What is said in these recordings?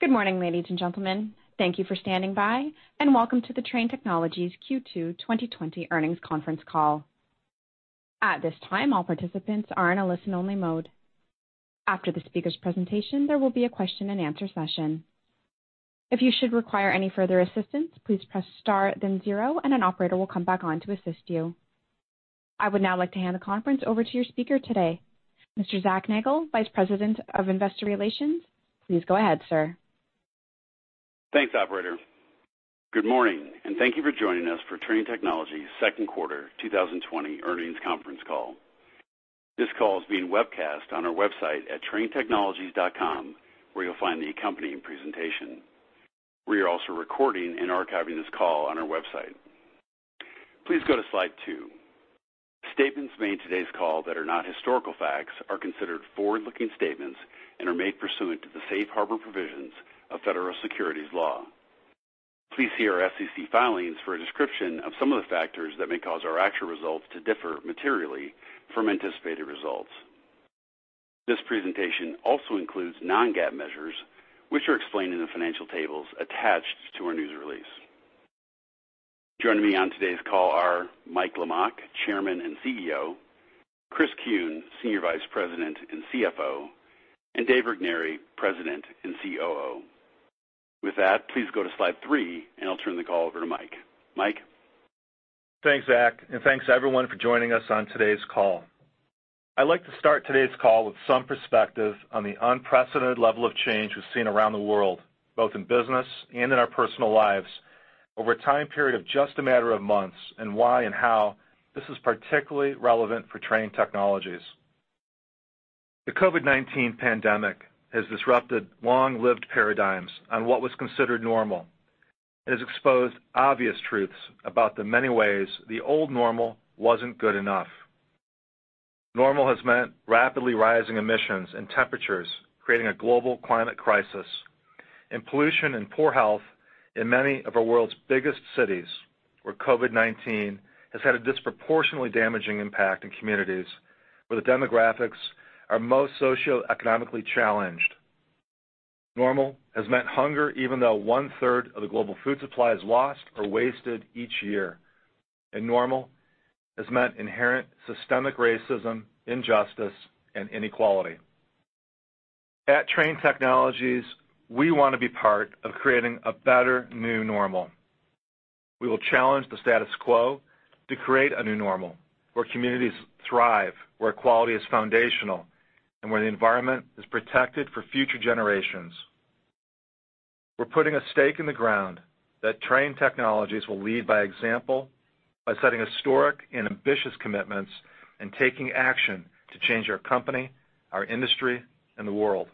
Good morning, ladies and gentlemen. Thank you for standing by, and welcome to the Trane Technologies Q2 2020 earnings conference call. At this time, all participants are in a listen-only mode. After the speaker's presentation, there will be a question and answer session. If you should require any further assistance, please press star then zero, and an operator will come back on to assist you. I would now like to hand the conference over to your speaker today, Mr. Zach Nagle, Vice President of Investor Relations. Please go ahead, Sir. Thanks, Operator. Good morning, thank you for joining us for Trane Technologies second quarter 2020 earnings conference call. This call is being webcast on our website at tranetechnologies.com, where you'll find the accompanying presentation. We are also recording and archiving this call on our website. Please go to slide two. Statements made in today's call that are not historical facts are considered forward-looking statements and are made pursuant to the safe harbor provisions of federal securities law. Please see our SEC filings for a description of some of the factors that may cause our actual results to differ materially from anticipated results. This presentation also includes non-GAAP measures, which are explained in the financial tables attached to our news release. Joining me on today's call are Mike Lamach, Chairman and CEO, Chris Kuehn, Senior Vice President and CFO, and Dave Regnery, President and COO. With that, please go to slide three, and I'll turn the call over to Mike. Mike? Thanks, Zach, and thanks, everyone, for joining us on today's call. I'd like to start today's call with some perspective on the unprecedented level of change we've seen around the world, both in business and in our personal lives, over a time period of just a matter of months, and why and how this is particularly relevant for Trane Technologies. The COVID-19 pandemic has disrupted long-lived paradigms on what was considered normal. It has exposed obvious truths about the many ways the old normal wasn't good enough. Normal has meant rapidly rising emissions and temperatures, creating a global climate crisis, and pollution and poor health in many of our world's biggest cities, where COVID-19 has had a disproportionately damaging impact in communities where the demographics are most socioeconomically challenged. Normal has meant hunger even though 1/3 of the global food supply is lost or wasted each year. Normal has meant inherent systemic racism, injustice, and inequality. At Trane Technologies, we want to be part of creating a better new normal. We will challenge the status quo to create a new normal, where communities thrive, where equality is foundational, and where the environment is protected for future generations. We're putting a stake in the ground that Trane Technologies will lead by example by setting historic and ambitious commitments and taking action to change our company, our industry, and the world.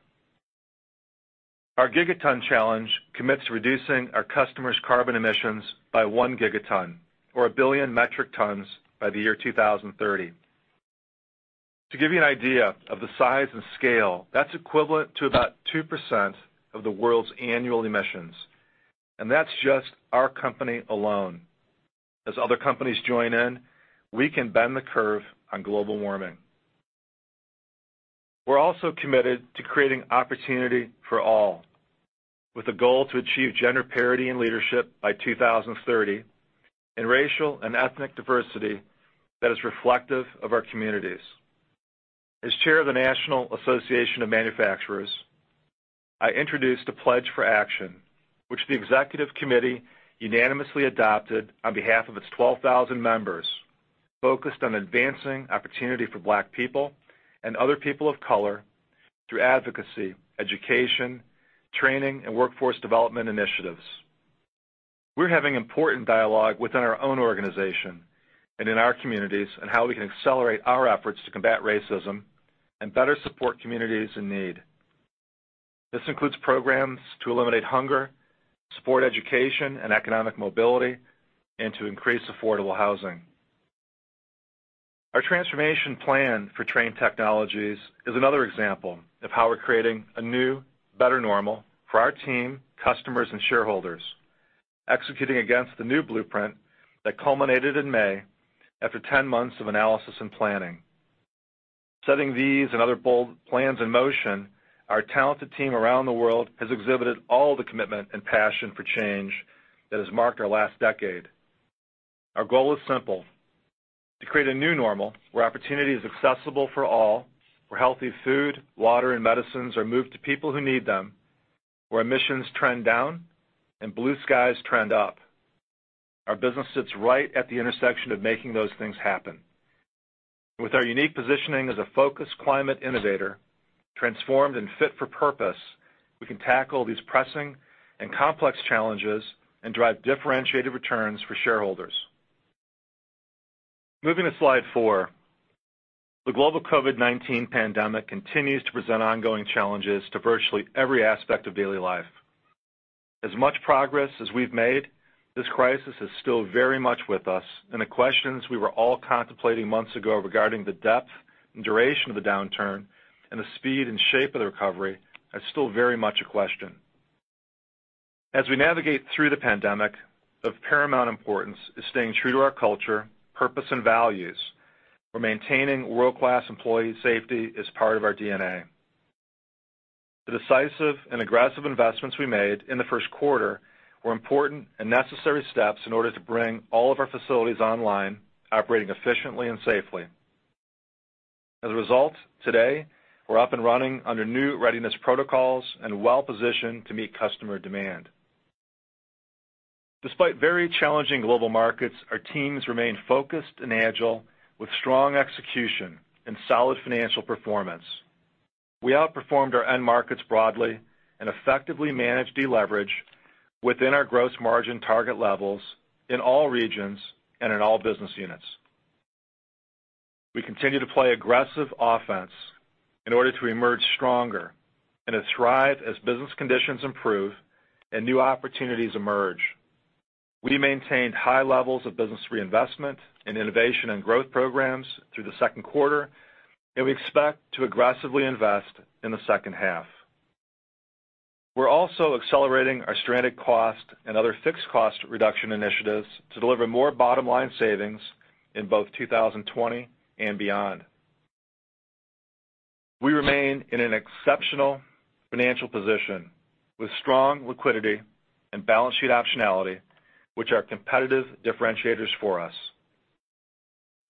Our Gigaton Challenge commits to reducing our customers' carbon emissions by 1 gigaton, or 1 billion metric tons, by the year 2030. To give you an idea of the size and scale, that's equivalent to about 2% of the world's annual emissions, and that's just our company alone. As other companies join in, we can bend the curve on global warming. We're also committed to creating opportunity for all, with a goal to achieve gender parity in leadership by 2030 and racial and ethnic diversity that is reflective of our communities. As chair of the National Association of Manufacturers, I introduced a pledge for action, which the executive committee unanimously adopted on behalf of its 12,000 members, focused on advancing opportunity for black people and other people of color through advocacy, education, training, and workforce development initiatives. We're having important dialogue within our own organization and in our communities on how we can accelerate our efforts to combat racism and better support communities in need. This includes programs to eliminate hunger, support education and economic mobility, and to increase affordable housing. Our transformation plan for Trane Technologies is another example of how we're creating a new, better normal for our team, customers, and shareholders, executing against the new blueprint that culminated in May after 10 months of analysis and planning. Setting these and other bold plans in motion, our talented team around the world has exhibited all the commitment and passion for change that has marked our last decade. Our goal is simple: to create a new normal where opportunity is accessible for all, where healthy food, water, and medicines are moved to people who need them, where emissions trend down and blue skies trend up. Our business sits right at the intersection of making those things happen. With our unique positioning as a focused climate innovator, transformed and fit for purpose, we can tackle these pressing and complex challenges and drive differentiated returns for shareholders. Moving to slide four. The global COVID-19 pandemic continues to present ongoing challenges to virtually every aspect of daily life. As much progress as we've made, this crisis is still very much with us, and the questions we were all contemplating months ago regarding the depth and duration of the downturn and the speed and shape of the recovery are still very much a question. As we navigate through the pandemic, of paramount importance is staying true to our culture, purpose, and values, where maintaining world-class employee safety is part of our DNA. The decisive and aggressive investments we made in the first quarter were important and necessary steps in order to bring all of our facilities online, operating efficiently and safely. As a result, today, we're up and running under new readiness protocols and well-positioned to meet customer demand. Despite very challenging global markets, our teams remain focused and agile with strong execution and solid financial performance. We outperformed our end markets broadly and effectively managed deleverage within our gross margin target levels in all regions and in all business units. We continue to play aggressive offense in order to emerge stronger and to thrive as business conditions improve and new opportunities emerge. We maintained high levels of business reinvestment and innovation and growth programs through the second quarter, and we expect to aggressively invest in the second half. We're also accelerating our stranded cost and other fixed cost reduction initiatives to deliver more bottom-line savings in both 2020 and beyond. We remain in an exceptional financial position with strong liquidity and balance sheet optionality, which are competitive differentiators for us.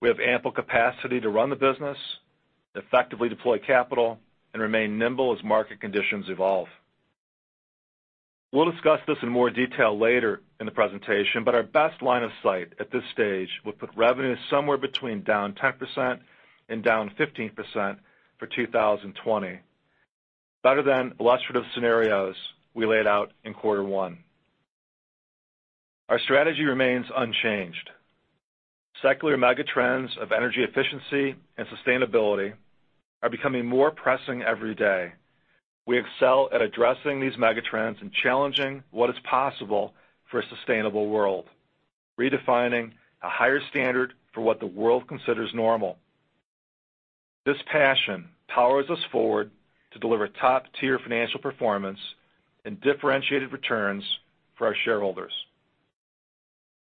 We have ample capacity to run the business, effectively deploy capital, and remain nimble as market conditions evolve. We'll discuss this in more detail later in the presentation. Our best line of sight at this stage would put revenue somewhere between down 10% and down 15% for 2020, better than illustrative scenarios we laid out in quarter one. Our strategy remains unchanged. Secular megatrends of energy efficiency and sustainability are becoming more pressing every day. We excel at addressing these megatrends and challenging what is possible for a sustainable world, redefining a higher standard for what the world considers normal. This passion powers us forward to deliver top-tier financial performance and differentiated returns for our shareholders.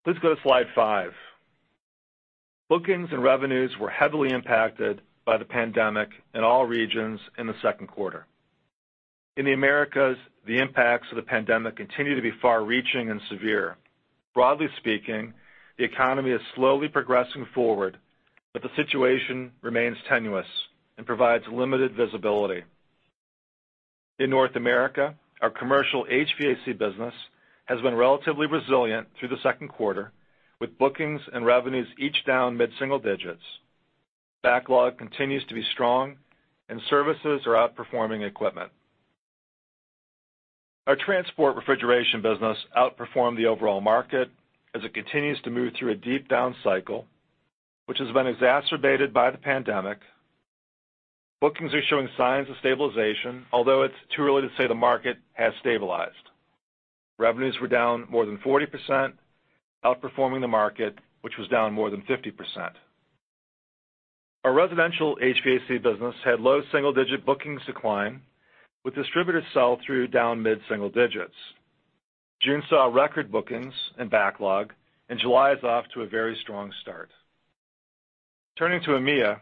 Please go to slide five. Bookings and revenues were heavily impacted by the pandemic in all regions in the second quarter. In the Americas, the impacts of the pandemic continue to be far-reaching and severe. Broadly speaking, the economy is slowly progressing forward, but the situation remains tenuous and provides limited visibility. In North America, our commercial HVAC business has been relatively resilient through the second quarter, with bookings and revenues each down mid-single digits. Backlog continues to be strong and services are outperforming equipment. Our transport refrigeration business outperformed the overall market as it continues to move through a deep down cycle, which has been exacerbated by the pandemic. Bookings are showing signs of stabilization, although it's too early to say the market has stabilized. Revenues were down more than 40%, outperforming the market, which was down more than 50%. Our residential HVAC business had low single-digit bookings decline, with distributor sell-through down mid-single digits. June saw record bookings and backlog, and July is off to a very strong start. Turning to EMEA,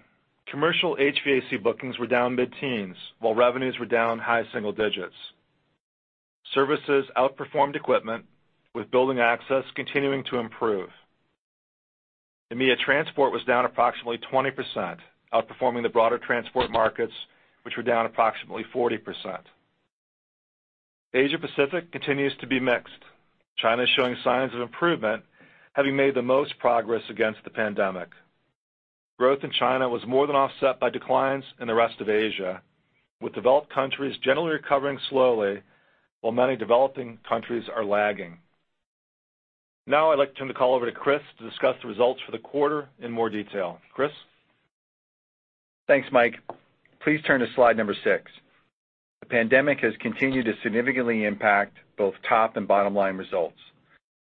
commercial HVAC bookings were down mid-teens, while revenues were down high single digits. Services outperformed equipment, with building access continuing to improve. EMEA transport was down approximately 20%, outperforming the broader transport markets, which were down approximately 40%. Asia Pacific continues to be mixed. China is showing signs of improvement, having made the most progress against the pandemic. Growth in China was more than offset by declines in the rest of Asia, with developed countries generally recovering slowly while many developing countries are lagging. Now I'd like to turn the call over to Chris to discuss the results for the quarter in more detail. Chris? Thanks, Mike. Please turn to slide number six. The pandemic has continued to significantly impact both top and bottom-line results.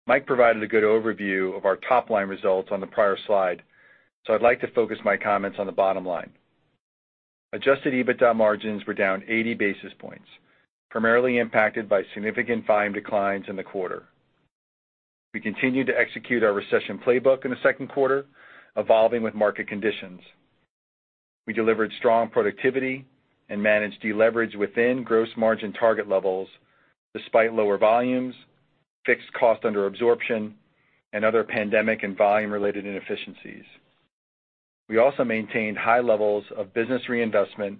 Mike provided a good overview of our top-line results on the prior slide, so I'd like to focus my comments on the bottom line. Adjusted EBITDA margins were down 80 basis points, primarily impacted by significant volume declines in the quarter. We continued to execute our recession playbook in the second quarter, evolving with market conditions. We delivered strong productivity and managed deleverage within gross margin target levels despite lower volumes, fixed costs under absorption, and other pandemic and volume-related inefficiencies. We also maintained high levels of business reinvestment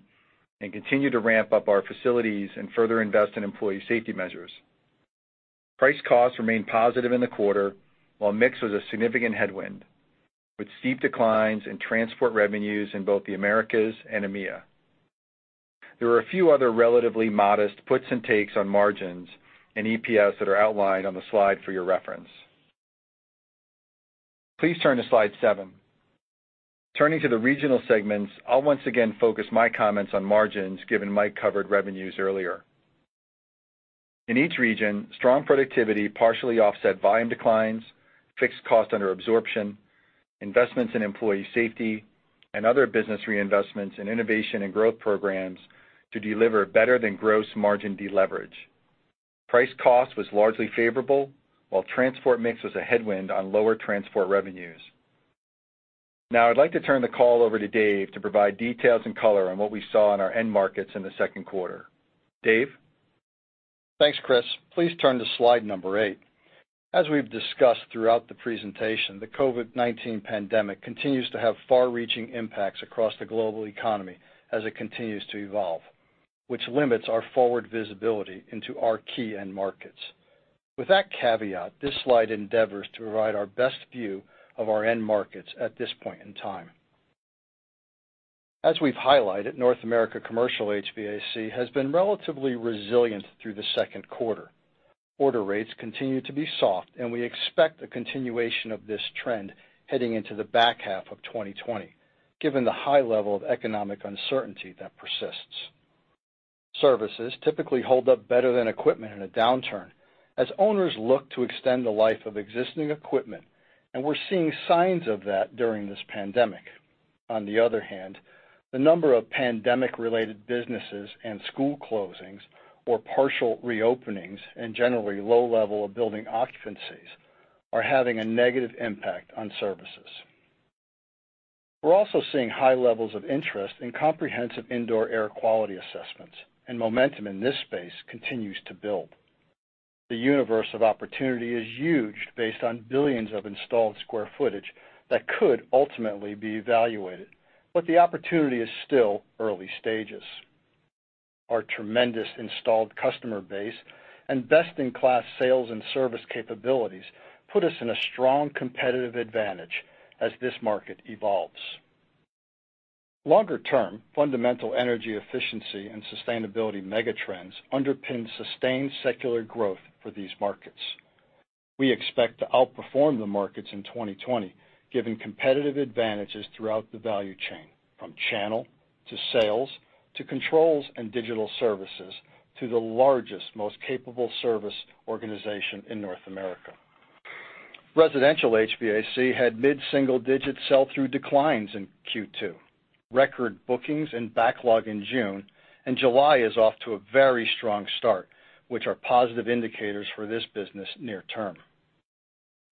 and continued to ramp up our facilities and further invest in employee safety measures. Price costs remained positive in the quarter, while mix was a significant headwind, with steep declines in transport revenues in both the Americas and EMEA. There were a few other relatively modest puts and takes on margins and EPS that are outlined on slide seven for your reference. Please turn to slide seven. Turning to the regional segments, I'll once again focus my comments on margins given Mike covered revenues earlier. In each region, strong productivity partially offset volume declines, fixed cost under absorption, investments in employee safety and other business reinvestments in innovation and growth programs to deliver better than gross margin deleverage. Price cost was largely favorable, while transport mix was a headwind on lower transport revenues. Now I'd like to turn the call over to Dave to provide details and color on what we saw in our end markets in the second quarter. Dave? Thanks, Chris. Please turn to slide number eight. As we've discussed throughout the presentation, the COVID-19 pandemic continues to have far-reaching impacts across the global economy as it continues to evolve, which limits our forward visibility into our key end markets. With that caveat, this slide endeavors to provide our best view of our end markets at this point in time. As we've highlighted, North America commercial HVAC has been relatively resilient through the second quarter. Order rates continue to be soft, and we expect a continuation of this trend heading into the back half of 2020, given the high level of economic uncertainty that persists. Services typically hold up better than equipment in a downturn as owners look to extend the life of existing equipment, and we're seeing signs of that during this pandemic. On the other hand, the number of pandemic-related businesses and school closings or partial reopenings and generally low level of building occupancies are having a negative impact on services. We're also seeing high levels of interest in comprehensive indoor air quality assessments, and momentum in this space continues to build. The universe of opportunity is huge, based on billions of installed square footage that could ultimately be evaluated, but the opportunity is still early stages. Our tremendous installed customer base and best-in-class sales and service capabilities put us in a strong competitive advantage as this market evolves. Longer-term, fundamental energy efficiency and sustainability mega trends underpin sustained secular growth for these markets. We expect to outperform the markets in 2020, given competitive advantages throughout the value chain, from channel to sales to controls and digital services to the largest, most capable service organization in North America. Residential HVAC had mid-single digit sell-through declines in Q2. Record bookings and backlog in June, and July is off to a very strong start, which are positive indicators for this business near term.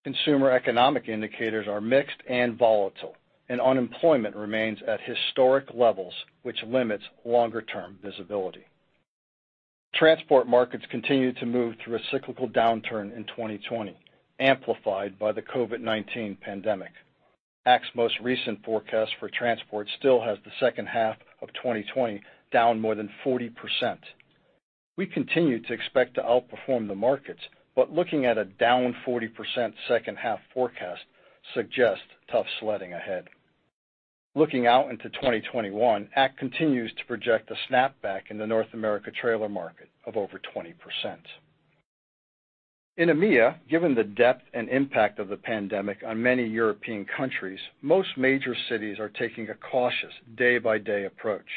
Consumer economic indicators are mixed and volatile, and unemployment remains at historic levels, which limits longer-term visibility. Transport markets continue to move through a cyclical downturn in 2020, amplified by the COVID-19 pandemic. ACT's most recent forecast for transport still has the second half of 2020 down more than 40%. We continue to expect to outperform the markets, but looking at a down 40% second half forecast suggests tough sledding ahead. Looking out into 2021, ACT continues to project a snapback in the North America trailer market of over 20%. In EMEA, given the depth and impact of the pandemic on many European countries, most major cities are taking a cautious day-by-day approach.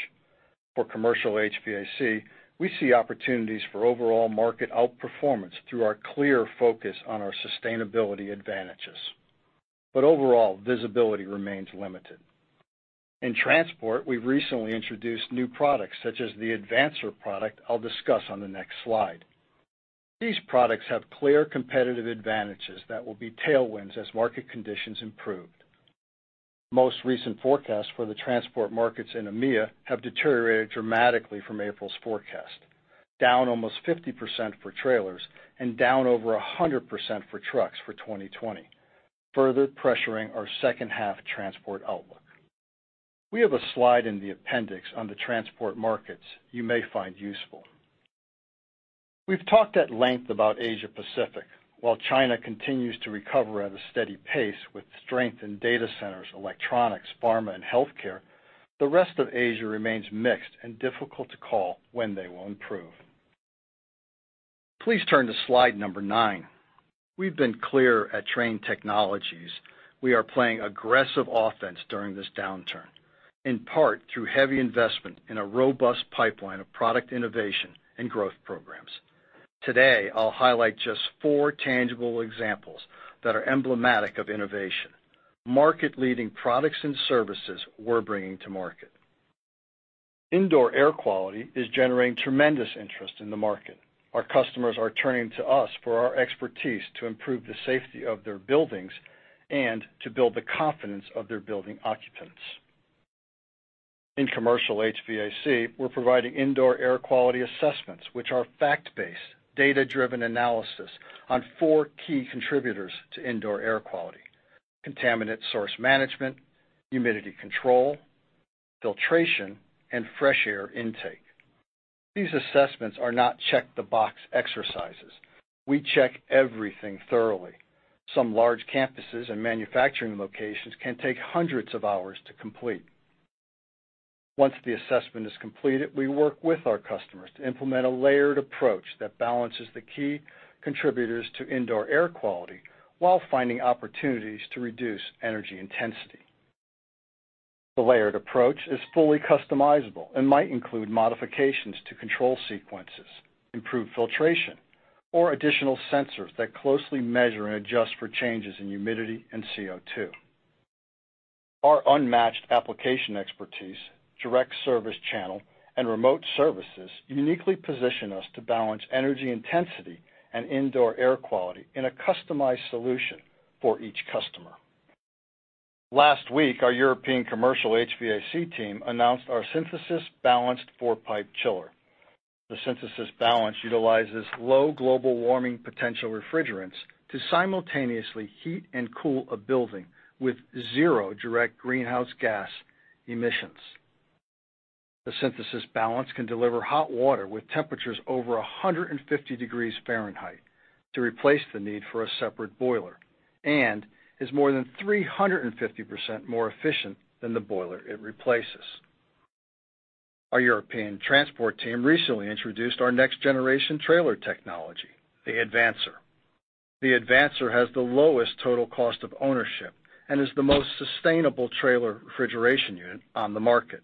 For commercial HVAC, we see opportunities for overall market outperformance through our clear focus on our sustainability advantages. Overall, visibility remains limited. In transport, we've recently introduced new products, such as the Advancer product I'll discuss on the next slide. These products have clear competitive advantages that will be tailwinds as market conditions improve. Most recent forecasts for the transport markets in EMEA have deteriorated dramatically from April's forecast, down almost 50% for trailers and down over 100% for trucks for 2020, further pressuring our second half transport outlook. We have a slide in the appendix on the transport markets you may find useful. We've talked at length about Asia-Pacific. While China continues to recover at a steady pace with strength in data centers, electronics, pharma, and healthcare, the rest of Asia remains mixed and difficult to call when they will improve. Please turn to slide number nine. We've been clear at Trane Technologies we are playing aggressive offense during this downturn, in part through heavy investment in a robust pipeline of product innovation and growth programs. Today, I'll highlight just four tangible examples that are emblematic of innovation, market-leading products and services we're bringing to market. Indoor air quality is generating tremendous interest in the market. Our customers are turning to us for our expertise to improve the safety of their buildings and to build the confidence of their building occupants. In commercial HVAC, we're providing indoor air quality assessments, which are fact-based, data-driven analysis on four key contributors to indoor air quality, contaminant source management, humidity control, filtration, and fresh air intake. These assessments are not check-the-box exercises. We check everything thoroughly. Some large campuses and manufacturing locations can take hundreds of hours to complete. Once the assessment is completed, we work with our customers to implement a layered approach that balances the key contributors to indoor air quality while finding opportunities to reduce energy intensity. The layered approach is fully customizable and might include modifications to control sequences, improve filtration, or additional sensors that closely measure and adjust for changes in humidity and CO2. Our unmatched application expertise, direct service channel, and remote services uniquely position us to balance energy intensity and indoor air quality in a customized solution for each customer. Last week, our European commercial HVAC team announced our Sintesis Balance four-pipe chiller. The Sintesis Balance utilizes low global warming potential refrigerants to simultaneously heat and cool a building with zero direct greenhouse gas emissions. The Sintesis Balance can deliver hot water with temperatures over 150 degrees Fahrenheit to replace the need for a separate boiler and is more than 350% more efficient than the boiler it replaces. Our European transport team recently introduced our next generation trailer technology, the Advancer. The Advancer has the lowest total cost of ownership and is the most sustainable trailer refrigeration unit on the market.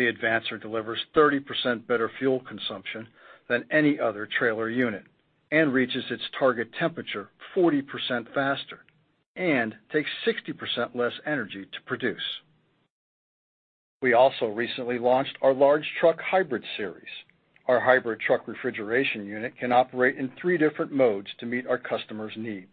The Advancer delivers 30% better fuel consumption than any other trailer unit and reaches its target temperature 40% faster and takes 60% less energy to produce. We also recently launched our large truck hybrid series. Our hybrid truck refrigeration unit can operate in three different modes to meet our customers' needs.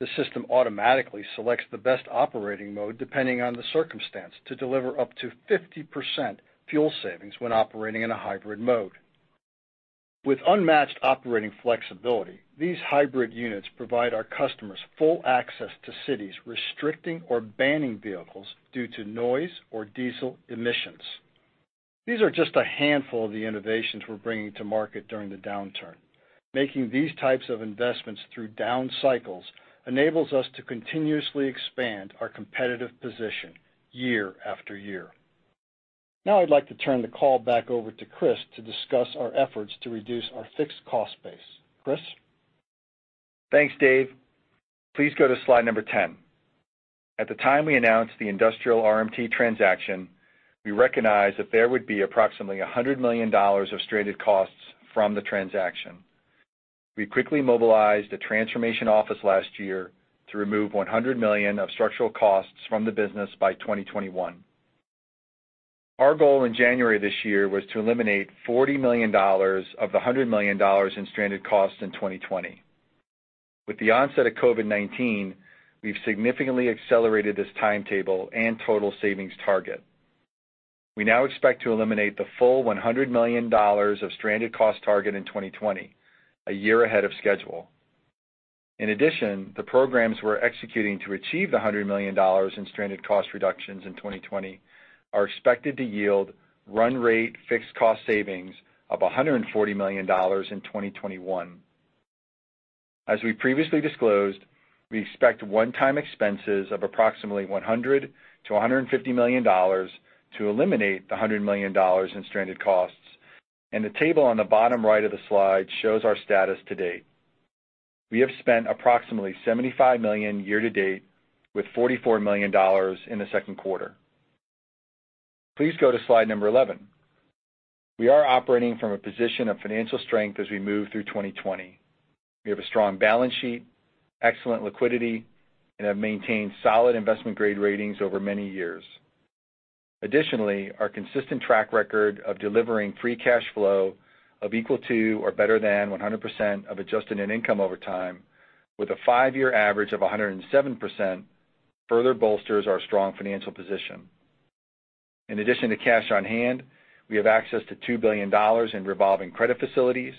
The system automatically selects the best operating mode, depending on the circumstance, to deliver up to 50% fuel savings when operating in a hybrid mode. With unmatched operating flexibility, these hybrid units provide our customers full access to cities restricting or banning vehicles due to noise or diesel emissions. These are just a handful of the innovations we're bringing to market during the downturn. Making these types of investments through down cycles enables us to continuously expand our competitive position year after year. I'd like to turn the call back over to Chris to discuss our efforts to reduce our fixed cost base. Chris? Thanks, Dave. Please go to slide number 10. At the time we announced the Industrial RMT transaction, we recognized that there would be approximately $100 million of stranded costs from the transaction. We quickly mobilized a transformation office last year to remove $100 million of structural costs from the business by 2021. Our goal in January this year was to eliminate $40 million of the $100 million in stranded costs in 2020. With the onset of COVID-19, we've significantly accelerated this timetable and total savings target. We now expect to eliminate the full $100 million of stranded cost target in 2020, a year ahead of schedule. In addition, the programs we're executing to achieve the $100 million in stranded cost reductions in 2020 are expected to yield run rate fixed cost savings of $140 million in 2021. As we previously disclosed, we expect one-time expenses of approximately $100 million-$150 million to eliminate the $100 million in stranded costs, and the table on the bottom right of the slide shows our status to date. We have spent approximately $75 million year-to-date, with $44 million in the second quarter. Please go to slide number 11. We are operating from a position of financial strength as we move through 2020. We have a strong balance sheet, excellent liquidity, and have maintained solid investment-grade ratings over many years. Our consistent track record of delivering free cash flow of equal to or better than 100% of adjusted net income over time, with a five-year average of 107%, further bolsters our strong financial position. In addition to cash on hand, we have access to $2 billion in revolving credit facilities.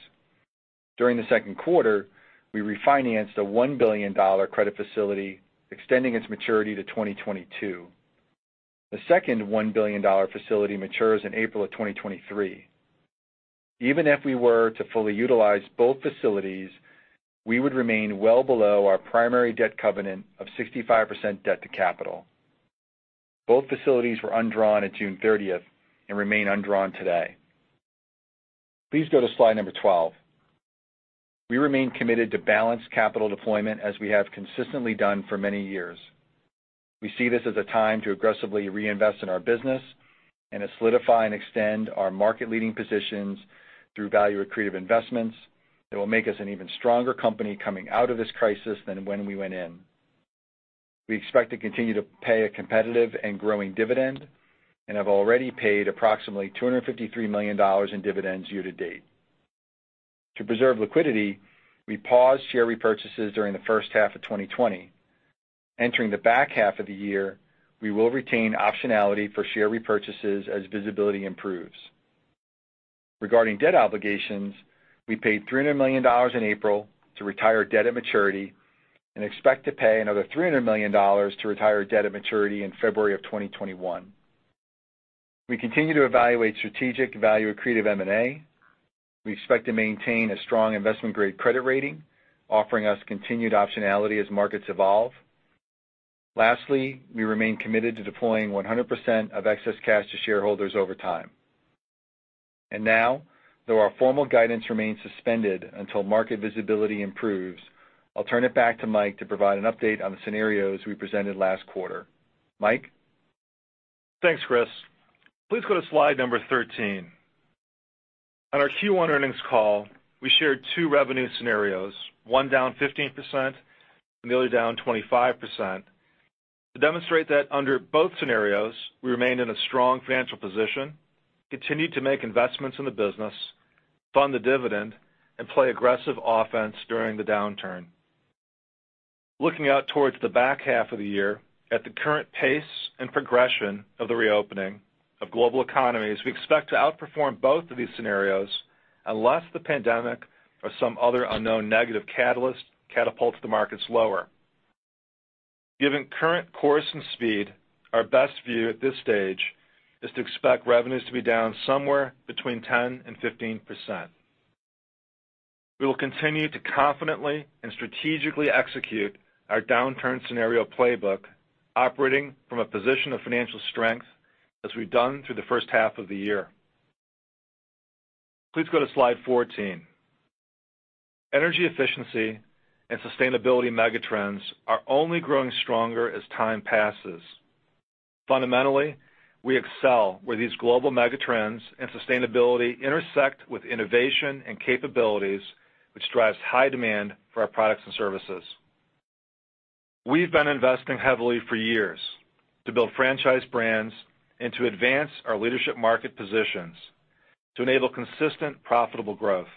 During the second quarter, we refinanced a $1 billion credit facility, extending its maturity to 2022. The second $1 billion facility matures in April of 2023. Even if we were to fully utilize both facilities, we would remain well below our primary debt covenant of 65% debt to capital. Both facilities were undrawn at June 30th and remain undrawn today. Please go to slide number 12. We remain committed to balanced capital deployment as we have consistently done for many years. We see this as a time to aggressively reinvest in our business and to solidify and extend our market leading positions through value accretive investments that will make us an even stronger company coming out of this crisis than when we went in. We expect to continue to pay a competitive and growing dividend and have already paid approximately $253 million in dividends year to date. To preserve liquidity, we paused share repurchases during the first half of 2020. Entering the back half of the year, we will retain optionality for share repurchases as visibility improves. Regarding debt obligations, we paid $300 million in April to retire debt at maturity and expect to pay another $300 million to retire debt at maturity in February of 2021. We continue to evaluate strategic value accretive M&A. We expect to maintain a strong investment-grade credit rating, offering us continued optionality as markets evolve. Lastly, we remain committed to deploying 100% of excess cash to shareholders over time. Now, though our formal guidance remains suspended until market visibility improves, I'll turn it back to Mike to provide an update on the scenarios we presented last quarter. Mike? Thanks, Chris. Please go to slide number 13. On our Q1 earnings call, we shared two revenue scenarios, one down 15% and the other down 25%, to demonstrate that under both scenarios, we remain in a strong financial position, continue to make investments in the business, fund the dividend, and play aggressive offense during the downturn. Looking out towards the back half of the year, at the current pace and progression of the reopening of global economies, we expect to outperform both of these scenarios unless the pandemic or some other unknown negative catalyst catapults the markets lower. Given current course and speed, our best view at this stage is to expect revenues to be down somewhere between 10% and 15%. We will continue to confidently and strategically execute our downturn scenario playbook, operating from a position of financial strength as we've done through the first half of the year. Please go to slide 14. Energy efficiency and sustainability mega trends are only growing stronger as time passes. Fundamentally, we excel where these global mega trends and sustainability intersect with innovation and capabilities, which drives high demand for our products and services. We've been investing heavily for years to build franchise brands and to advance our leadership market positions to enable consistent, profitable growth.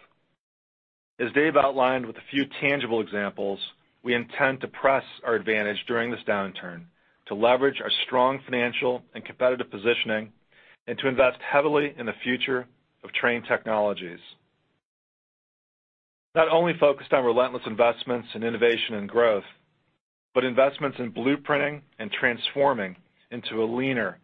As Dave outlined with a few tangible examples, we intend to press our advantage during this downturn to leverage our strong financial and competitive positioning and to invest heavily in the future of Trane Technologies. Not only focused on relentless investments in innovation and growth, but investments in blueprinting and transforming into a leaner,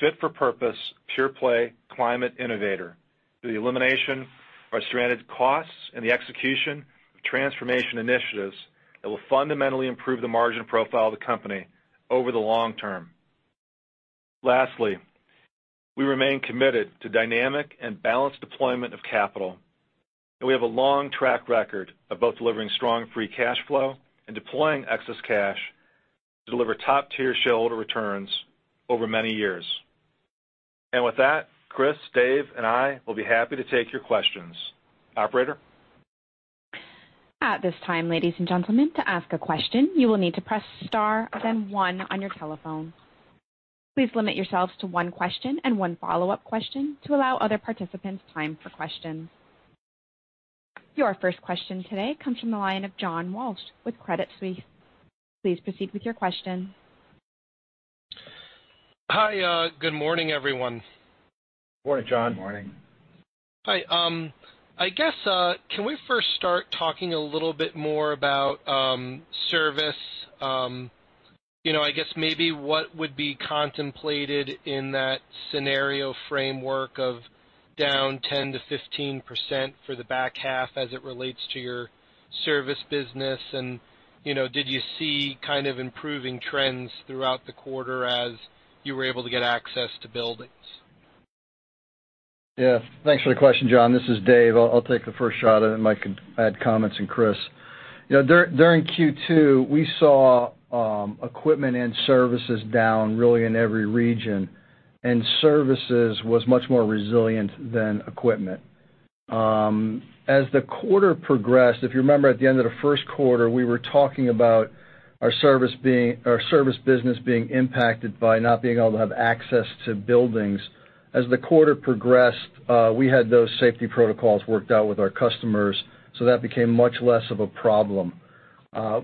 fit-for-purpose, pure play climate innovator through the elimination of our stranded costs and the execution of transformation initiatives that will fundamentally improve the margin profile of the company over the long term. Lastly, we remain committed to dynamic and balanced deployment of capital, and we have a long track record of both delivering strong free cash flow and deploying excess cash to deliver top-tier shareholder returns over many years. With that, Chris, Dave, and I will be happy to take your questions. Operator? At this time, ladies and gentlemen, to ask a question, you will need to press star then one on your telephone. Please limit yourselves to one question and one follow-up question to allow other participants time for questions. Your first question today comes from the line of John Walsh with Credit Suisse. Please proceed with your question. Hi. Good morning, everyone. Morning, John. Morning. Hi. I guess, can we first start talking a little bit more about service? I guess maybe what would be contemplated in that scenario framework of down 10%-15% for the back half as it relates to your service business, and did you see kind of improving trends throughout the quarter as you were able to get access to buildings? Thanks for the question, John. This is Dave. I'll take the first shot at it, and Mike can add comments, and Chris. During Q2, we saw equipment and services down really in every region, and services was much more resilient than equipment. As the quarter progressed, if you remember at the end of the first quarter, we were talking about our service business being impacted by not being able to have access to buildings. As the quarter progressed, we had those safety protocols worked out with our customers, so that became much less of a problem.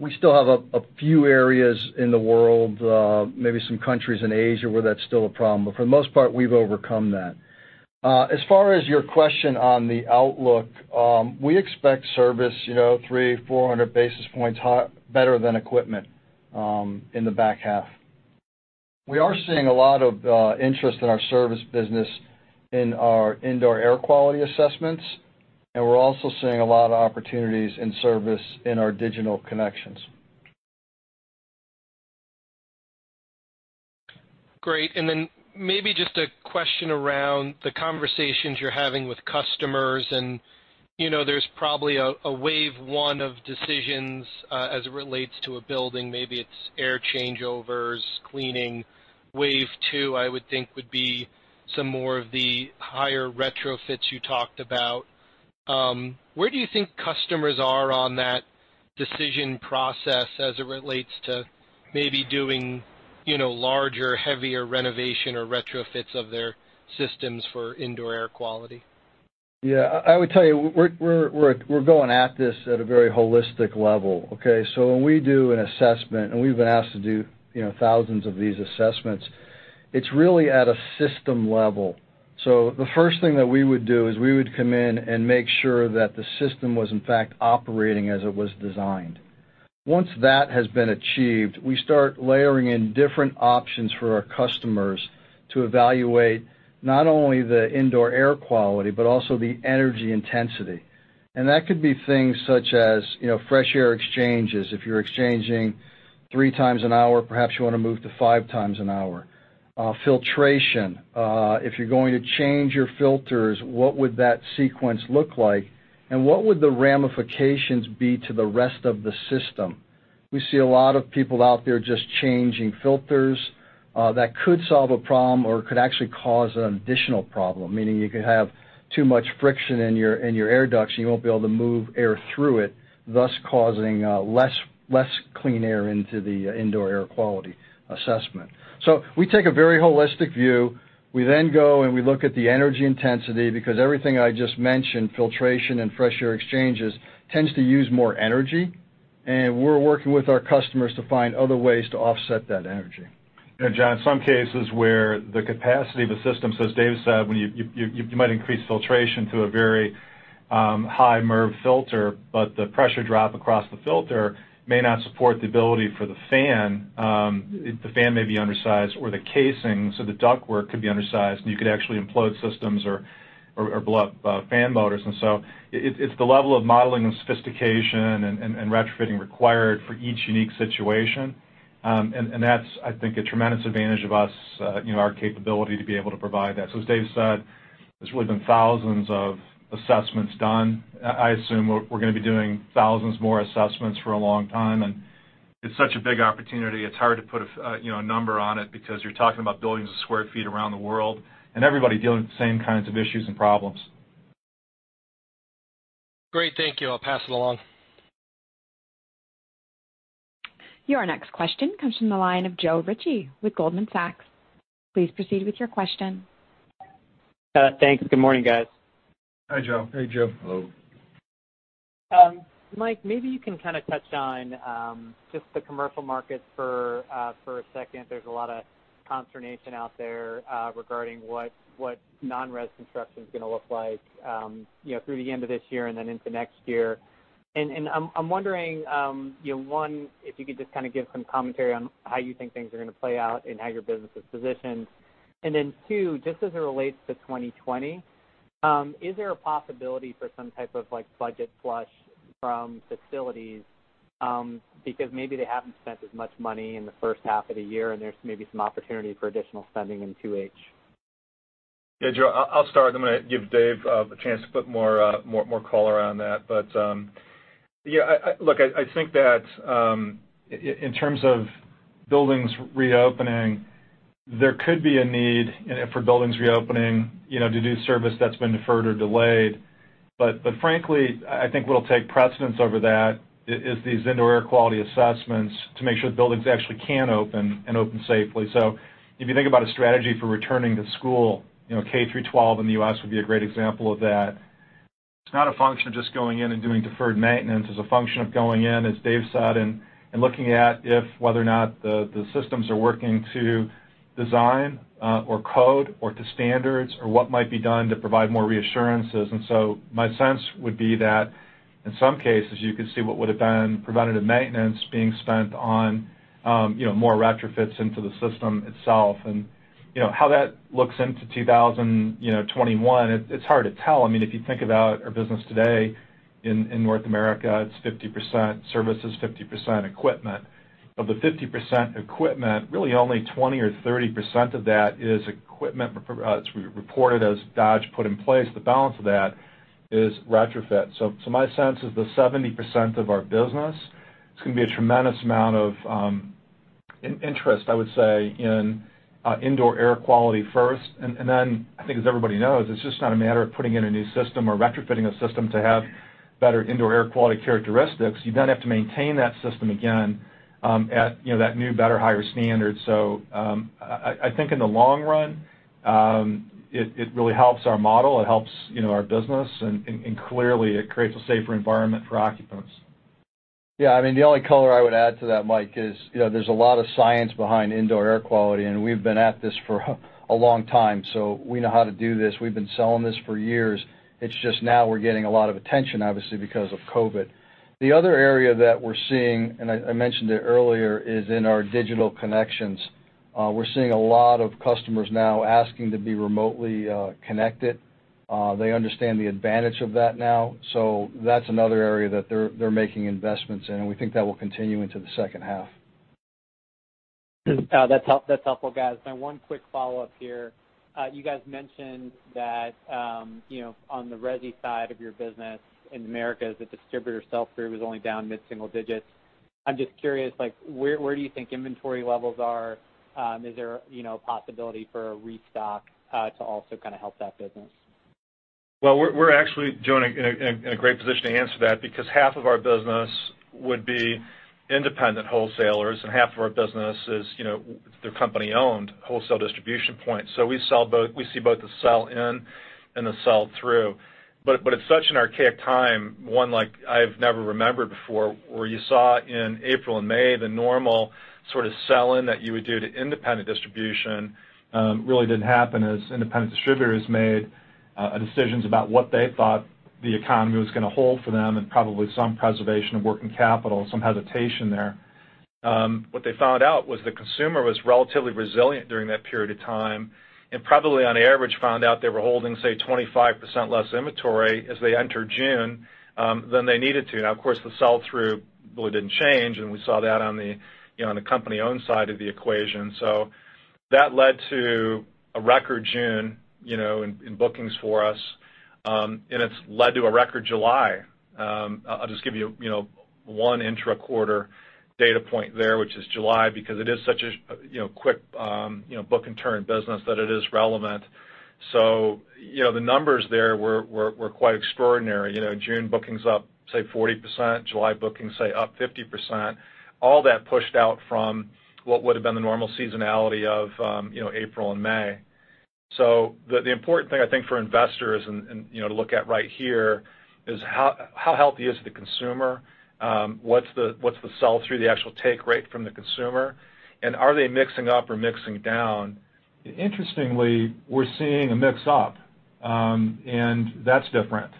We still have a few areas in the world, maybe some countries in Asia, where that's still a problem. For the most part, we've overcome that. As far as your question on the outlook, we expect service three, 400 basis points better than equipment in the back half. We are seeing a lot of interest in our service business in our indoor air quality assessments. We're also seeing a lot of opportunities in service in our digital connections. Great. Then maybe just a question around the conversations you're having with customers, there's probably a wave one of decisions, as it relates to a building. Maybe it's air changeovers, cleaning. Wave two, I would think would be some more of the higher retrofits you talked about. Where do you think customers are on that decision process as it relates to maybe doing larger, heavier renovation or retrofits of their systems for indoor air quality? Yeah, I would tell you, we're going at this at a very holistic level, okay? When we do an assessment, and we've been asked to do thousands of these assessments, it's really at a system level. The first thing that we would do is we would come in and make sure that the system was in fact operating as it was designed. Once that has been achieved, we start layering in different options for our customers to evaluate not only the indoor air quality, but also the energy intensity. That could be things such as fresh air exchanges. If you're exchanging three times an hour, perhaps you want to move to five times an hour. Filtration. If you're going to change your filters, what would that sequence look like and what would the ramifications be to the rest of the system? We see a lot of people out there just changing filters. That could solve a problem or it could actually cause an additional problem, meaning you could have too much friction in your air ducts, and you won't be able to move air through it, thus causing less clean air into the indoor air quality assessment. So we take a very holistic view. We go and we look at the energy intensity, because everything I just mentioned, filtration and fresh air exchanges, tends to use more energy, and we're working with our customers to find other ways to offset that energy. Yeah, John, some cases where the capacity of a system, as Dave said, when you might increase filtration to a very high MERV filter, but the pressure drop across the filter may not support the ability for the fan. The fan may be undersized or the casing, so the duct work could be undersized, and you could actually implode systems or blow up fan motors. It's the level of modeling and sophistication and retrofitting required for each unique situation. That's, I think, a tremendous advantage of us, our capability to be able to provide that. As Dave said, there's really been thousands of assessments done. I assume we're going to be doing thousands more assessments for a long time, and it's such a big opportunity. It's hard to put a number on it because you're talking about billions of square feet around the world, and everybody dealing with the same kinds of issues and problems. Great. Thank you. I'll pass it along. Your next question comes from the line of Joe Ritchie with Goldman Sachs. Please proceed with your question. Thanks. Good morning, guys. Hi, Joe. Hey, Joe. Hello. Mike, maybe you can touch on just the commercial markets for a second. There's a lot of consternation out there regarding what non-res construction's going to look like through the end of this year and then into next year. I'm wondering, one, if you could just give some commentary on how you think things are going to play out and how your business is positioned. Then two, just as it relates to 2020, is there a possibility for some type of budget flush from facilities because maybe they haven't spent as much money in the first half of the year and there's maybe some opportunity for additional spending in 2H? Joe, I'll start. I'm going to give Dave a chance to put more color on that. Look, I think that in terms of buildings reopening, there could be a need for buildings reopening to do service that's been deferred or delayed. Frankly, I think what'll take precedence over that is these indoor air quality assessments to make sure the buildings actually can open and open safely. If you think about a strategy for returning to school, K-12 in the U.S. would be a great example of that. It's not a function of just going in and doing deferred maintenance. It's a function of going in, as Dave said, and looking at if whether or not the systems are working to design or code or to standards or what might be done to provide more reassurances. My sense would be that in some cases, you could see what would've been preventative maintenance being spent on more retrofits into the system itself. How that looks into 2021, it's hard to tell. If you think about our business today in North America, it's 50% services, 50% equipment. Of the 50% equipment, really only 20% or 30% of that is equipment that's reported as Dodge put in place. The balance of that is retrofit. My sense is the 70% of our business, it's going to be a tremendous amount of interest, I would say, in indoor air quality first. Then I think as everybody knows, it's just not a matter of putting in a new system or retrofitting a system to have better indoor air quality characteristics. You then have to maintain that system again at that new, better, higher standard. I think in the long run, it really helps our model. It helps our business, and clearly it creates a safer environment for occupants. The only color I would add to that, Mike, is there's a lot of science behind indoor air quality, and we've been at this for a long time. We know how to do this. We've been selling this for years. It's just now we're getting a lot of attention, obviously, because of COVID. The other area that we're seeing, and I mentioned it earlier, is in our digital connections. We're seeing a lot of customers now asking to be remotely connected. They understand the advantage of that now. That's another area that they're making investments in, and we think that will continue into the second half. That's helpful, guys. One quick follow-up here. You guys mentioned that on the Resi side of your business in the Americas, the distributor sell-through was only down mid-single digits. I'm just curious, where do you think inventory levels are? Is there a possibility for a restock to also help that business? We're actually, Joe, in a great position to answer that because half of our business would be independent wholesalers and half of our business is the company-owned wholesale distribution points. We see both the sell in and the sell-through. It's such an archaic time, one like I've never remembered before, where you saw in April and May, the normal sort of sell-in that you would do to independent distribution really didn't happen as independent distributors made decisions about what they thought the economy was going to hold for them and probably some preservation of working capital, some hesitation there. What they found out was the consumer was relatively resilient during that period of time and probably on average, found out they were holding, say, 25% less inventory as they entered June than they needed to. Of course, the sell-through really didn't change, and we saw that on the company-owned side of the equation. That led to a record June in bookings for us. It's led to a record July. I'll just give you one intra-quarter data point there, which is July, because it is such a quick book and turn business that it is relevant. The numbers there were quite extraordinary. June bookings up, say, 40%, July bookings, say, up 50%, all that pushed out from what would've been the normal seasonality of April and May. The important thing, I think, for investors, and to look at right here, is how healthy is the consumer? What's the sell-through, the actual take rate from the consumer? Are they mixing up or mixing down? Interestingly, we're seeing a mix-up, and that's different.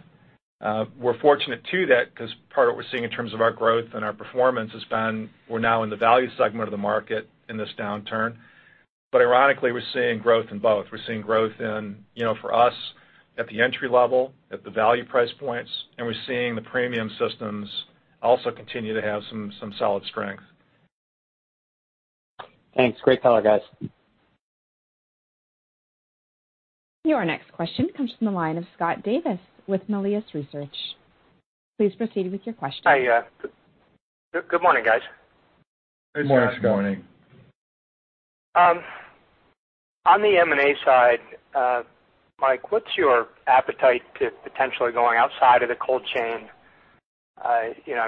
We're fortunate too that because part of what we're seeing in terms of our growth and our performance has been, we're now in the value segment of the market in this downturn. Ironically, we're seeing growth in both. We're seeing growth in, for us, at the entry level, at the value price points, and we're seeing the premium systems also continue to have some solid strength. Thanks. Great color, guys. Your next question comes from the line of Scott Davis with Melius Research. Please proceed with your question. Hi. Good morning, guys. Good morning, Scott. Good morning. On the M&A side, Mike, what's your appetite to potentially going outside of the cold chain?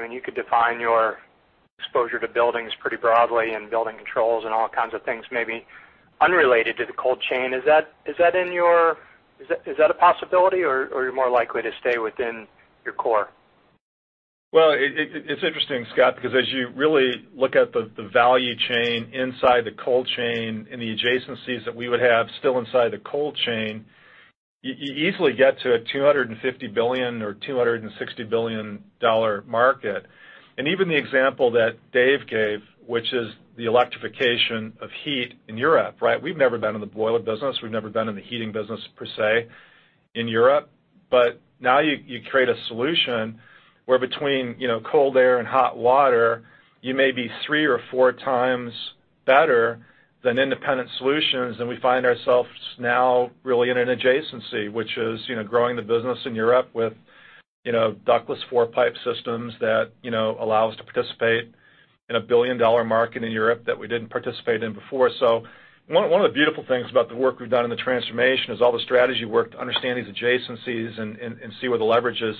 You could define your exposure to buildings pretty broadly and building controls and all kinds of things maybe unrelated to the cold chain. Is that a possibility, or you're more likely to stay within your core? Well, it's interesting, Scott, because as you really look at the value chain inside the cold chain and the adjacencies that we would have still inside the cold chain, you easily get to a $250 billion or $260 billion market. Even the example that Dave gave, which is the electrification of heat in Europe, right? We've never been in the boiler business. We've never been in the heating business, per se, in Europe. Now you create a solution where between cold air and hot water, you may be three or four times better than independent solutions. We find ourselves now really in an adjacency, which is growing the business in Europe with ductless four-pipe systems that allow us to participate in a billion-dollar market in Europe that we didn't participate in before. One of the beautiful things about the work we've done in the transformation is all the strategy work to understand these adjacencies and see where the leverage is.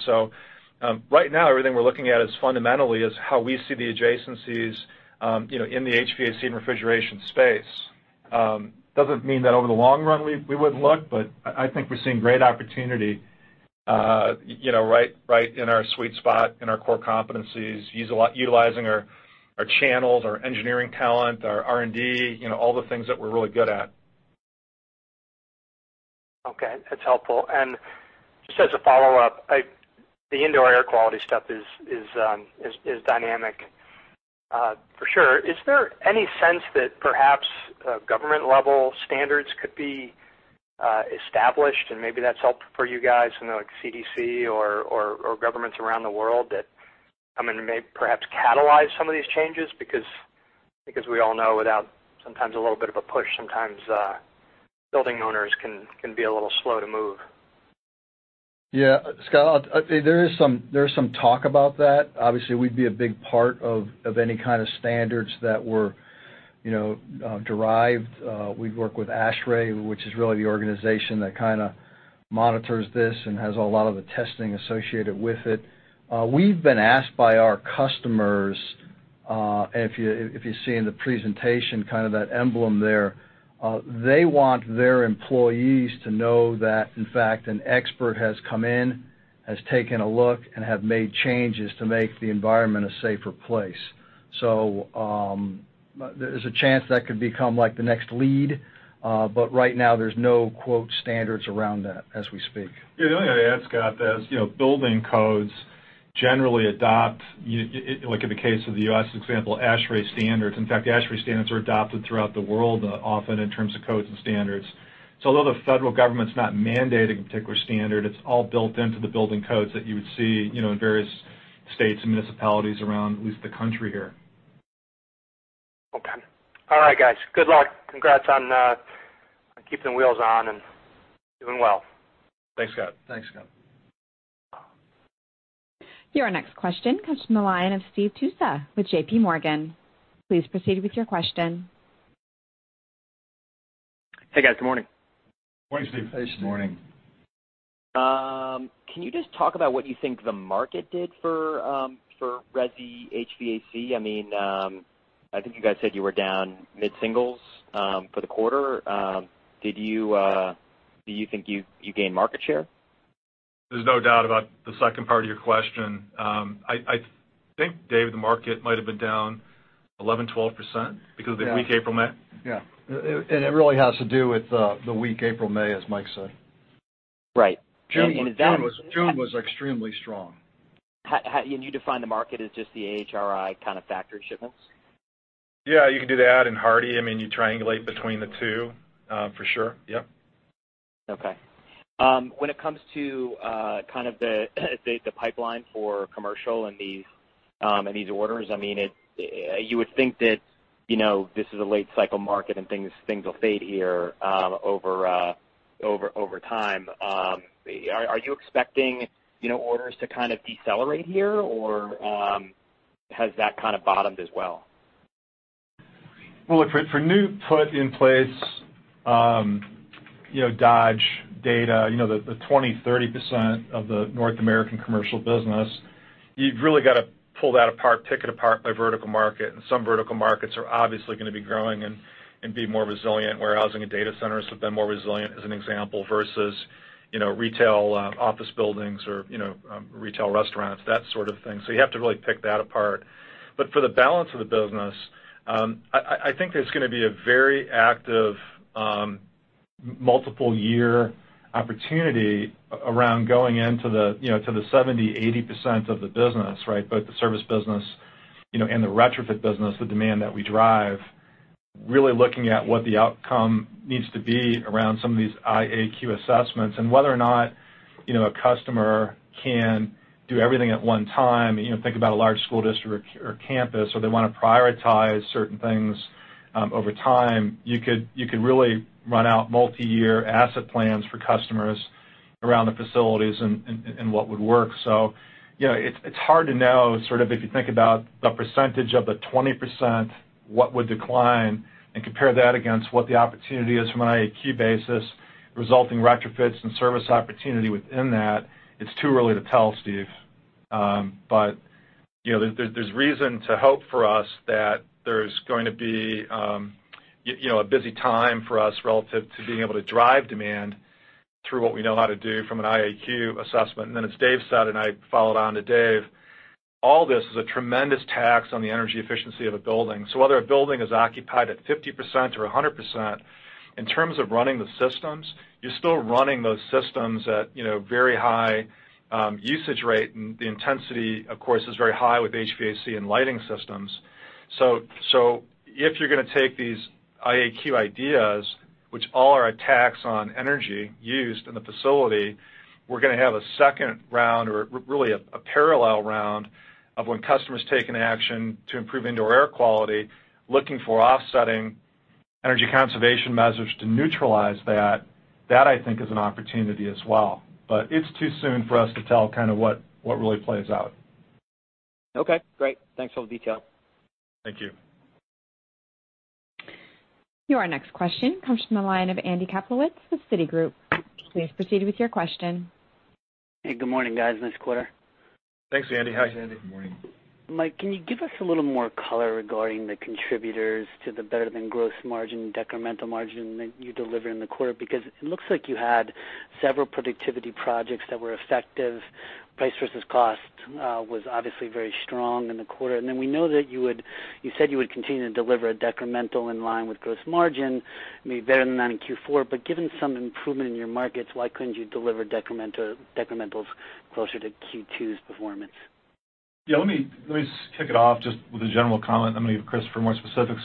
Right now, everything we're looking at is fundamentally is how we see the adjacencies in the HVAC and refrigeration space. Doesn't mean that over the long run we wouldn't look, but I think we're seeing great opportunity right in our sweet spot, in our core competencies, utilizing our channels, our engineering talent, our R&D, all the things that we're really good at. Okay. That's helpful. Just as a follow-up, the indoor air quality stuff is dynamic for sure. Is there any sense that perhaps government-level standards could be established, and maybe that's helpful for you guys, like CDC or governments around the world that may perhaps catalyze some of these changes? We all know, without sometimes a little bit of a push, sometimes building owners can be a little slow to move. Yeah. Scott, there is some talk about that. Obviously, we'd be a big part of any kind of standards that were derived. We'd work with ASHRAE, which is really the organization that kind of monitors this and has a lot of the testing associated with it. We've been asked by our customers, if you see in the presentation, kind of that emblem there. They want their employees to know that, in fact, an expert has come in, has taken a look, and have made changes to make the environment a safer place. There is a chance that could become like the next lead. Right now, there's no, quote, "standards" around that as we speak. Yeah. The only thing I'd add, Scott, is building codes generally adopt, like in the case of the U.S., example, ASHRAE standards. In fact, ASHRAE standards are adopted throughout the world, often in terms of codes and standards. Although the federal government's not mandating a particular standard, it's all built into the building codes that you would see in various states and municipalities around at least the country here. Okay. All right, guys. Good luck. Congrats on keeping the wheels on and doing well. Thanks, Scott. Thanks, Scott. Your next question comes from the line of Steve Tusa with JPMorgan. Please proceed with your question. Hey, guys. Good morning. Morning, Steve. Hey, Steve. Morning. Can you just talk about what you think the market did for Resi HVAC? I think you guys said you were down mid-singles for the quarter. Do you think you gained market share? There's no doubt about the second part of your question. I think, Dave, the market might have been down 11%, 12% because of the weak April, May. Yeah. It really has to do with the weak April, May, as Mike said. Right. June was extremely strong. You define the market as just the AHRI kind of factory shipments? Yeah, you can do that and HARDI. You triangulate between the two, for sure. Yep. Okay. When it comes to kind of the pipeline for commercial and these These orders, you would think that this is a late cycle market and things will fade here over time. Are you expecting orders to kind of decelerate here, or has that kind of bottomed as well? Well, look, for new put in place, Dodge data, the 20%-30% of the North American commercial business, you've really got to pull that apart, pick it apart by vertical market. Some vertical markets are obviously going to be growing and be more resilient. Warehousing and data centers have been more resilient as an example, versus retail office buildings or retail restaurants, that sort of thing. You have to really pick that apart. For the balance of the business, I think there's going to be a very active, multiple year opportunity around going into the 70%-80% of the business, right? Both the service business and the retrofit business, the demand that we drive, really looking at what the outcome needs to be around some of these IAQ assessments and whether or not a customer can do everything at one time. Think about a large school district or campus where they want to prioritize certain things over time. You could really run out multi-year asset plans for customers around the facilities and what would work. It's hard to know, sort of, if you think about the percentage of the 20%, what would decline and compare that against what the opportunity is from an IAQ basis, resulting retrofits and service opportunity within that. It's too early to tell, Steve. There's reason to hope for us that there's going to be a busy time for us relative to being able to drive demand through what we know how to do from an IAQ assessment. Then as Dave said, and I followed on to Dave, all this is a tremendous tax on the energy efficiency of a building. Whether a building is occupied at 50% or 100%, in terms of running the systems, you're still running those systems at very high usage rate. The intensity, of course, is very high with HVAC and lighting systems. If you're going to take these IAQ ideas, which all are a tax on energy used in the facility, we're going to have a second round, or really a parallel round, of when customers taken action to improve indoor air quality, looking for offsetting energy conservation measures to neutralize that. That I think is an opportunity as well. It's too soon for us to tell what really plays out. Okay, great. Thanks for all the detail. Thank you. Your next question comes from the line of Andy Kaplowitz with Citigroup. Please proceed with your question. Hey, good morning, guys. Nice quarter. Thanks, Andy. Hi. Hi, Andy. Good morning. Mike, can you give us a little more color regarding the contributors to the better-than-gross margin, decremental margin that you deliver in the quarter? It looks like you had several productivity projects that were effective. Price versus cost was obviously very strong in the quarter. We know that you said you would continue to deliver a decremental in line with gross margin, maybe better than that in Q4. Given some improvement in your markets, why couldn't you deliver decrementals closer to Q2's performance? Yeah, let me just kick it off just with a general comment. I'm going to give Chris for more specifics.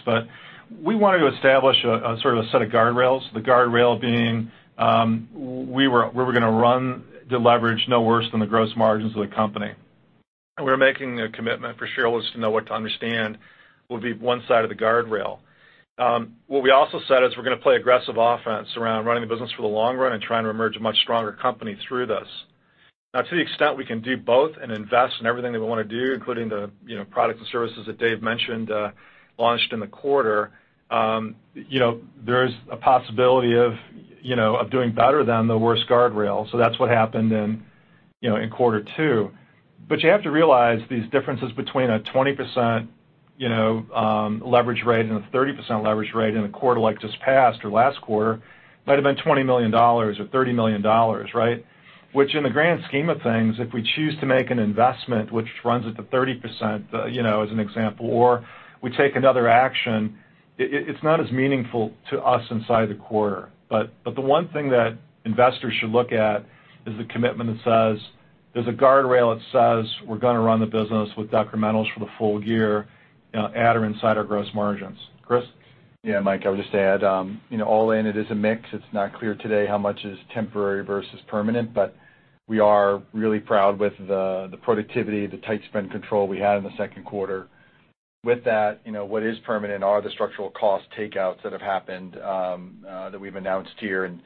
We wanted to establish a sort of set of guardrails. The guardrail being, we were going to run the leverage no worse than the gross margins of the company. We were making a commitment for shareholders to know what to understand would be one side of the guardrail. What we also said is we're going to play aggressive offense around running the business for the long run and trying to emerge a much stronger company through this. To the extent we can do both and invest in everything that we want to do, including the product and services that Dave mentioned, launched in the quarter, there's a possibility of doing better than the worst guardrail. That's what happened in quarter two. You have to realize these differences between a 20% leverage rate and a 30% leverage rate in a quarter like just passed or last quarter, might have been $20 million or $30 million, right? Which in the grand scheme of things, if we choose to make an investment which runs at the 30%, as an example, or we take another action, it's not as meaningful to us inside the quarter. The one thing that investors should look at is the commitment that says there's a guardrail that says we're going to run the business with decrementals for the full year at or inside our gross margins. Chris? Mike, I would just add, all in, it is a mix. It's not clear today how much is temporary versus permanent, but we are really proud with the productivity, the tight spend control we had in the second quarter. With that, what is permanent are the structural cost takeouts that have happened, that we've announced here in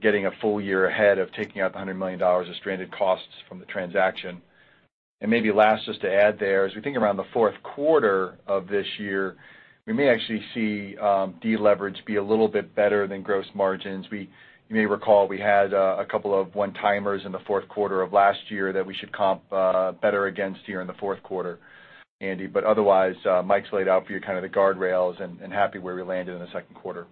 getting a full year ahead of taking out $100 million of stranded costs from the transaction. Maybe last, just to add there, as we think around the fourth quarter of this year, we may actually see deleverage be a little bit better than gross margins. You may recall we had a couple of one-timers in the fourth quarter of last year that we should comp better against here in the fourth quarter, Andy. Otherwise, Mike's laid out for you the guardrails and happy where we landed in the second quarter.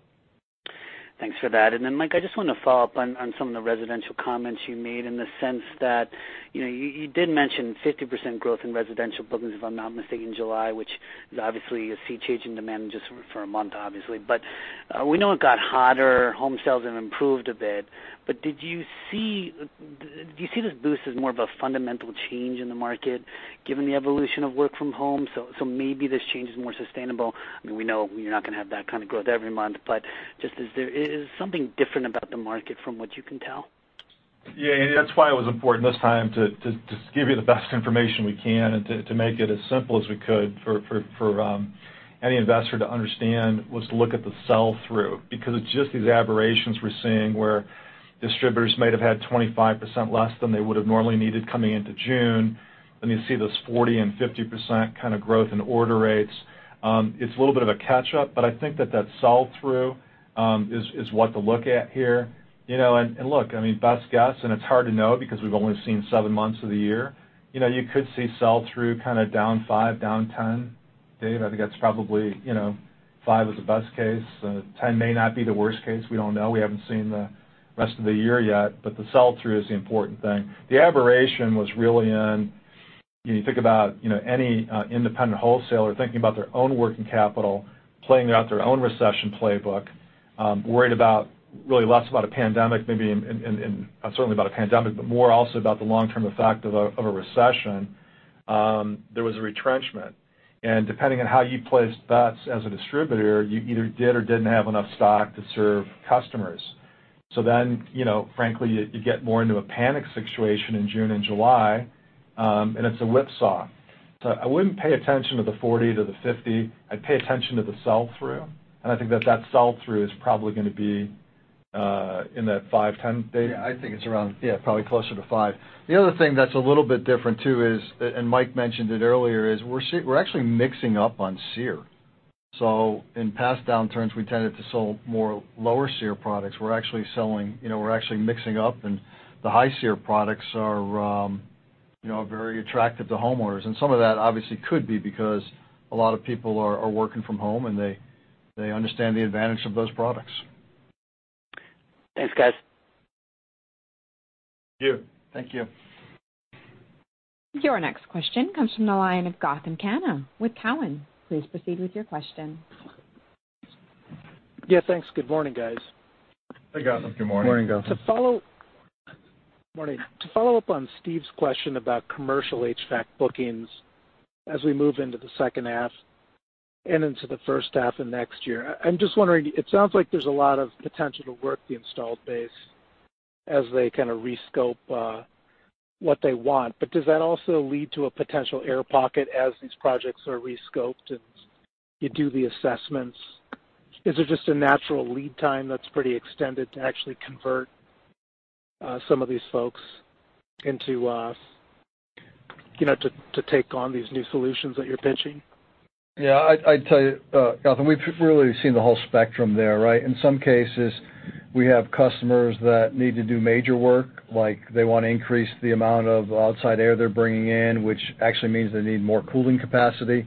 Thanks for that. Mike, I just want to follow up on some of the residential comments you made in the sense that you did mention 50% growth in residential bookings, if I'm not mistaken, in July, which is obviously a sea change in demand just for a month, obviously. We know it got hotter, home sales have improved a bit. Do you see this boost as more of a fundamental change in the market given the evolution of work from home? Maybe this change is more sustainable. We know you're not going to have that kind of growth every month, but just is there something different about the market from what you can tell? Yeah, Andy, that's why it was important this time to give you the best information we can and to make it as simple as we could for any investor to understand, was to look at the sell-through. Because it's just these aberrations we're seeing where distributors might have had 25% less than they would have normally needed coming into June. You see this 40% and 50% kind of growth in order rates. It's a little bit of a catch-up, but I think that that sell-through is what to look at here. Look, best guess, and it's hard to know because we've only seen seven months of the year. You could see sell-through kind of down 5%, down 10%, Dave. I think that's probably 5% is the best case. 10% may not be the worst case. We don't know. We haven't seen the rest of the year yet, but the sell-through is the important thing. The aberration was really in, when you think about any independent wholesaler thinking about their own working capital, playing out their own recession playbook, worried about really less about a pandemic maybe, and certainly about a pandemic, but more also about the long-term effect of a recession. There was a retrenchment, and depending on how you placed bets as a distributor, you either did or didn't have enough stock to serve customers. Frankly, you get more into a panic situation in June and July, and it's a whipsaw. I wouldn't pay attention to the 40%, to the 50%. I'd pay attention to the sell-through, and I think that that sell-through is probably going to be in that 5%-10% range. Yeah, I think it's around, probably closer to 5%. The other thing that's a little bit different too is, Mike mentioned it earlier, we're actually mixing up on SEER. In past downturns, we tended to sell more lower SEER products. We're actually mixing up. The high SEER products are very attractive to homeowners. Some of that obviously could be because a lot of people are working from home, and they understand the advantage of those products. Thanks, guys. Thank you. Thank you. Your next question comes from the line of Gautam Khanna with Cowen. Please proceed with your question. Yeah, thanks. Good morning, guys. Hey, Gautam. Good morning. Morning, Gautam. Morning. To follow up on Steve's question about commercial HVAC bookings as we move into the second half and into the first half of next year, I'm just wondering, it sounds like there's a lot of potential to work the installed base as they kind of rescope what they want. Does that also lead to a potential air pocket as these projects are rescoped and you do the assessments? Is it just a natural lead time that's pretty extended to actually convert some of these folks to take on these new solutions that you're pitching? I'd tell you, Gautam, we've really seen the whole spectrum there, right? In some cases, we have customers that need to do major work, like they want to increase the amount of outside air they're bringing in, which actually means they need more cooling capacity.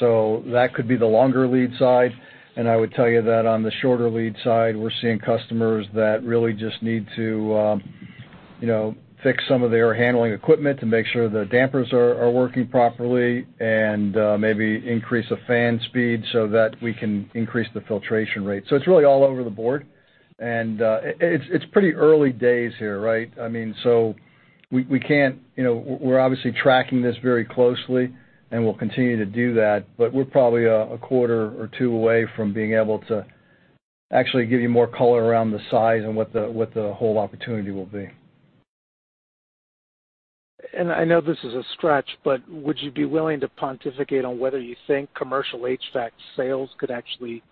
That could be the longer LEED side. I would tell you that on the shorter LEED side, we're seeing customers that really just need to fix some of their handling equipment to make sure the dampers are working properly and maybe increase a fan speed so that we can increase the filtration rate. It's really all over the board. It's pretty early days here, right? We're obviously tracking this very closely, and we'll continue to do that, but we're probably a quarter or two away from being able to actually give you more color around the size and what the whole opportunity will be. I know this is a stretch, but would you be willing to pontificate on whether you think commercial HVAC sales could actually,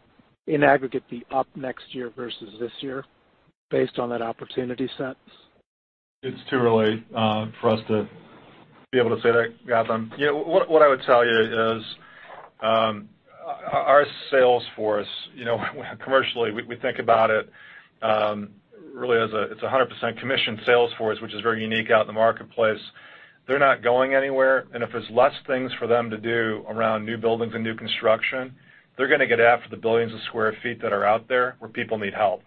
in aggregate, be up next year versus this year based on that opportunity set? It's too early for us to be able to say that, Gautam. What I would tell you is, our sales force, commercially, we think about it really as a 100% commission sales force, which is very unique out in the marketplace. They're not going anywhere, and if there's less things for them to do around new buildings and new construction, they're going to get after the billions of square feet that are out there where people need help.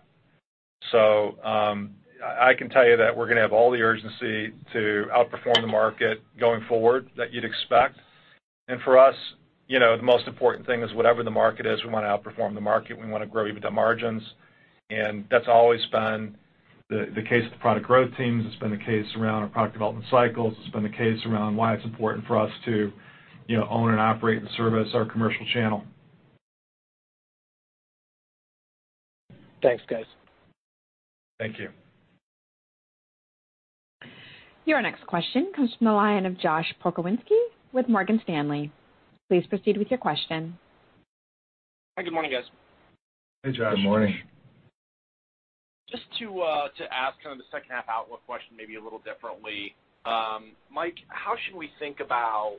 I can tell you that we're going to have all the urgency to outperform the market going forward that you'd expect. For us, the most important thing is whatever the market is, we want to outperform the market. We want to grow EBITDA margins. That's always been the case with the product growth teams. It's been the case around our product development cycles. It's been the case around why it's important for us to own and operate and service our commercial channel. Thanks, guys. Thank you. Your next question comes from the line of Josh Pokrzywinski with Morgan Stanley. Please proceed with your question. Hi, good morning, guys. Hey, Josh. Good morning. Just to ask kind of the second half outlook question maybe a little differently. Mike, how should we think about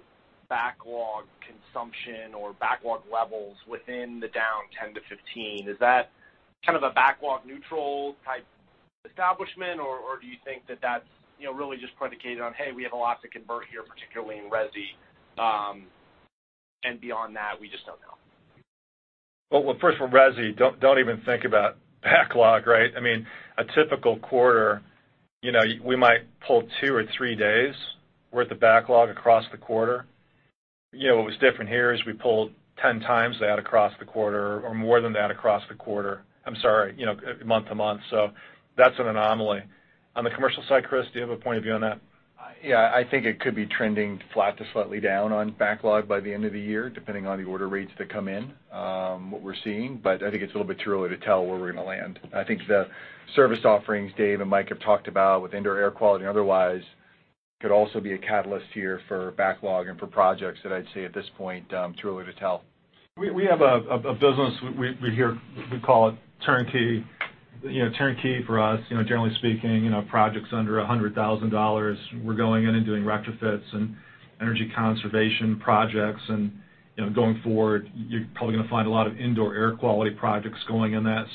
backlog consumption or backlog levels within the down 10%-15%? Is that kind of a backlog neutral type establishment, or do you think that that's really just predicated on, "Hey, we have a lot to convert here, particularly in Resi, and beyond that, we just don't know? First with Resi, don't even think about backlog, right? A typical quarter, we might pull two or three days worth of backlog across the quarter. What was different here is we pulled 10x that across the quarter or more than that across the quarter. I'm sorry, month-to-month. On the commercial side, Chris, do you have a point of view on that? Yeah, I think it could be trending flat to slightly down on backlog by the end of the year, depending on the order rates that come in, what we're seeing. I think it's a little bit too early to tell where we're going to land. I think the service offerings Dave and Mike have talked about with indoor air quality and otherwise could also be a catalyst here for backlog and for projects that I'd say at this point, too early to tell. We have a business, we call it turnkey. Turnkey for us, generally speaking, projects under $100,000. We're going in and doing retrofits and energy conservation projects. Going forward, you're probably going to find a lot of indoor air quality projects going in that.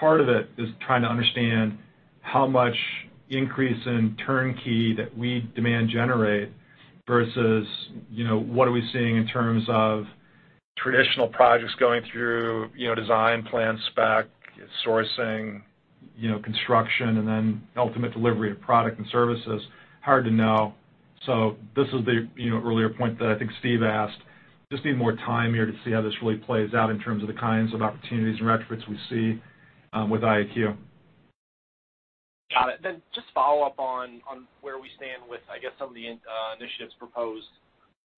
Part of it is trying to understand how much increase in turnkey that we demand generate versus what are we seeing in terms of traditional projects going through design plan spec, sourcing, construction, and then ultimate delivery of product and services. Hard to know. This is the earlier point that I think Steve asked. Just need more time here to see how this really plays out in terms of the kinds of opportunities and retrofits we see with IAQ. Got it. Just follow up on where we stand with, I guess, some of the initiatives proposed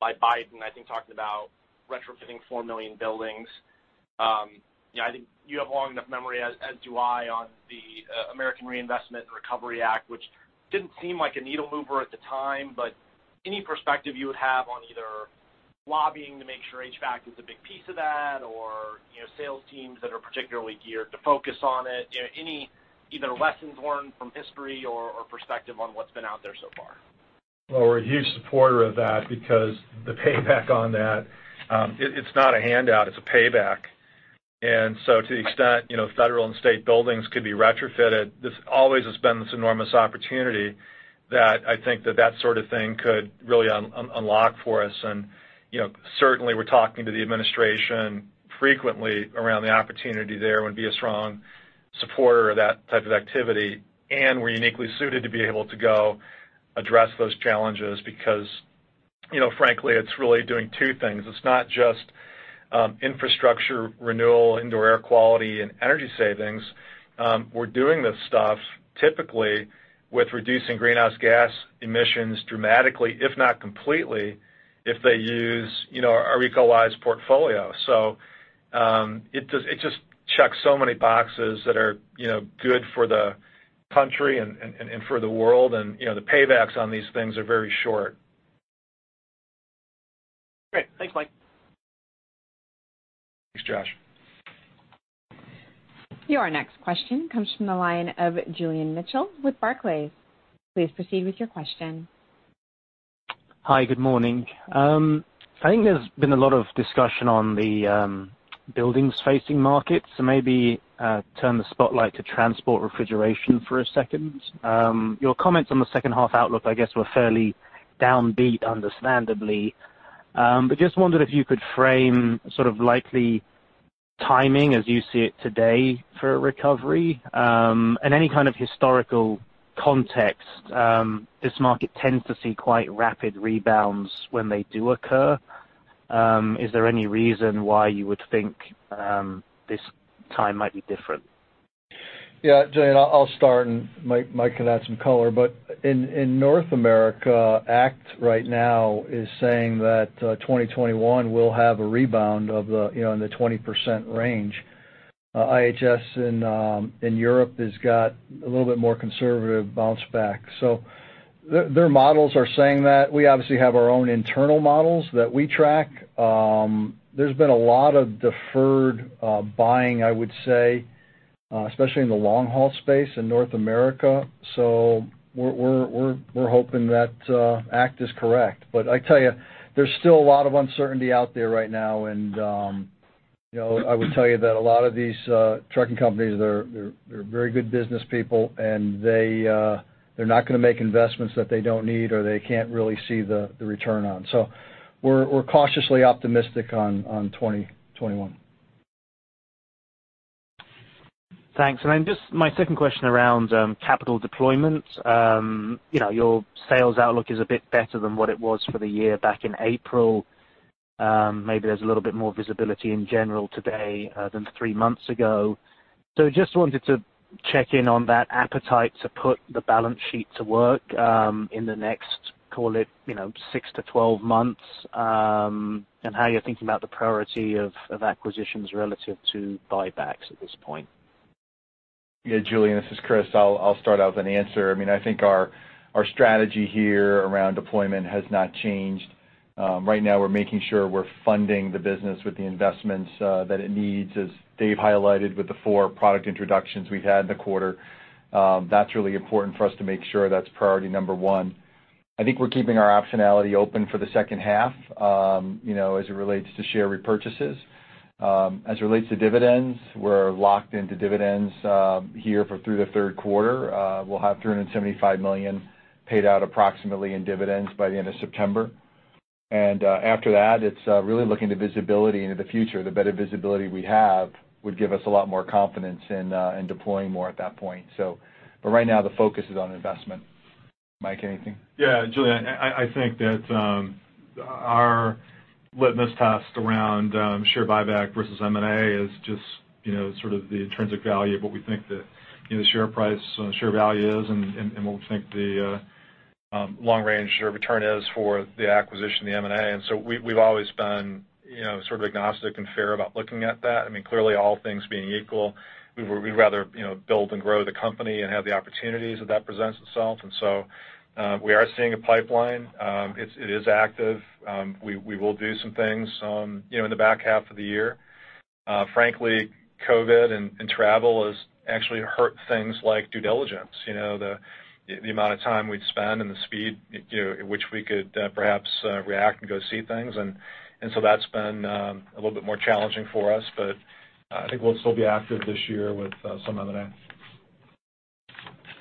by Biden, I think talking about retrofitting 4 million buildings. I think you have long enough memory, as do I, on the American Recovery and Reinvestment Act, which didn't seem like a needle mover at the time, but any perspective you would have on either lobbying to make sure HVAC is a big piece of that or sales teams that are particularly geared to focus on it? Any either lessons learned from history or perspective on what's been out there so far? Well, we're a huge supporter of that because the payback on that, it's not a handout, it's a payback. To the extent, federal and state buildings could be retrofitted, this always has been this enormous opportunity that I think that that sort of thing could really unlock for us. Certainly, we're talking to the administration frequently around the opportunity there and would be a strong supporter of that type of activity. We're uniquely suited to be able to go address those challenges because, frankly, it's really doing two things. It's not just infrastructure renewal, indoor air quality, and energy savings. We're doing this stuff typically with reducing greenhouse gas emissions dramatically, if not completely, if they use our EcoWise portfolio. It just checks so many boxes that are good for the country and for the world. The paybacks on these things are very short. Great. Thanks, Mike. Thanks, Josh. Your next question comes from the line of Julian Mitchell with Barclays. Please proceed with your question. Hi, good morning. I think there's been a lot of discussion on the buildings facing markets, so maybe turn the spotlight to transport refrigeration for a second. Your comments on the second half outlook, I guess, were fairly downbeat, understandably. Just wondered if you could frame sort of likely timing as you see it today for a recovery. Any kind of historical context. This market tends to see quite rapid rebounds when they do occur. Is there any reason why you would think this time might be different? Yeah. Julian, I'll start and Mike can add some color. In North America, ACT right now is saying that 2021 will have a rebound in the 20% range. IHS in Europe has got a little bit more conservative bounce back. Their models are saying that. We obviously have our own internal models that we track. There's been a lot of deferred buying, I would say, especially in the long-haul space in North America. We're hoping that ACT is correct. I tell you, there's still a lot of uncertainty out there right now, and I would tell you that a lot of these trucking companies, they're very good business people, and they're not going to make investments that they don't need or they can't really see the return on. We're cautiously optimistic on 2021. Thanks. Just my second question around capital deployment. Your sales outlook is a bit better than what it was for the year back in April. Maybe there's a little bit more visibility in general today than three months ago. Just wanted to check in on that appetite to put the balance sheet to work in the next, call it, 6-12 months, and how you're thinking about the priority of acquisitions relative to buybacks at this point. Yeah, Julian, this is Chris. I'll start out with an answer. I think our strategy here around deployment has not changed. Right now we're making sure we're funding the business with the investments that it needs, as Dave highlighted with the four product introductions we've had in the quarter. That's really important for us to make sure that's priority number one. I think we're keeping our optionality open for the second half as it relates to share repurchases. As it relates to dividends, we're locked into dividends here through the third quarter. We'll have $375 million paid out approximately in dividends by the end of September. After that, it's really looking to visibility into the future. The better visibility we have would give us a lot more confidence in deploying more at that point. Right now, the focus is on investment. Mike, anything? Yeah. Julian, I think that our litmus test around share buyback versus M&A is just sort of the intrinsic value of what we think the share price, share value is, and what we think the long range share return is for the acquisition, the M&A. We've always been sort of agnostic and fair about looking at that. Clearly, all things being equal, we'd rather build and grow the company and have the opportunities that that presents itself. We are seeing a pipeline. It is active. We will do some things in the back half of the year. Frankly, COVID and travel has actually hurt things like due diligence. The amount of time we'd spend and the speed at which we could perhaps react and go see things, and so that's been a little bit more challenging for us. I think we'll still be active this year with some M&A.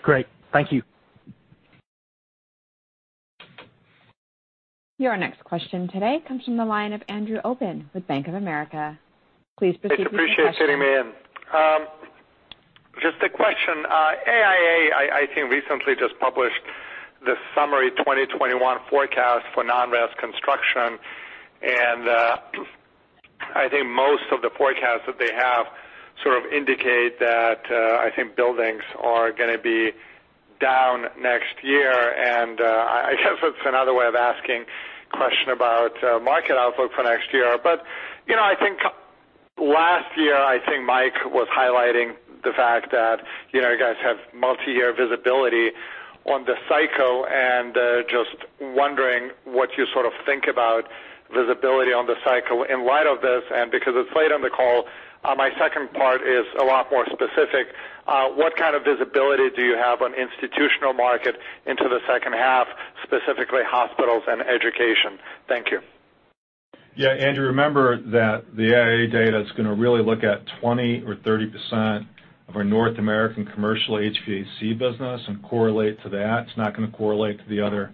Great. Thank you. Your next question today comes from the line of Andrew Obin with Bank of America. Please proceed with your question. Thanks. Appreciate seating me in. Just a question. AIA, I think, recently just published the summary 2021 forecast for non-res construction. I think most of the forecasts that they have sort of indicate that, I think buildings are gonna be down next year. I guess that's another way of asking question about market outlook for next year. I think last year, I think Mike was highlighting the fact that you guys have multi-year visibility on the cycle. Just wondering what you sort of think about visibility on the cycle in light of this. Because it's late on the call, my second part is a lot more specific. What kind of visibility do you have on institutional market into the second half, specifically hospitals and education? Thank you. Andrew, remember that the AIA data is gonna really look at 20% or 30% of our North American commercial HVAC business and correlate to that. It's not gonna correlate to the other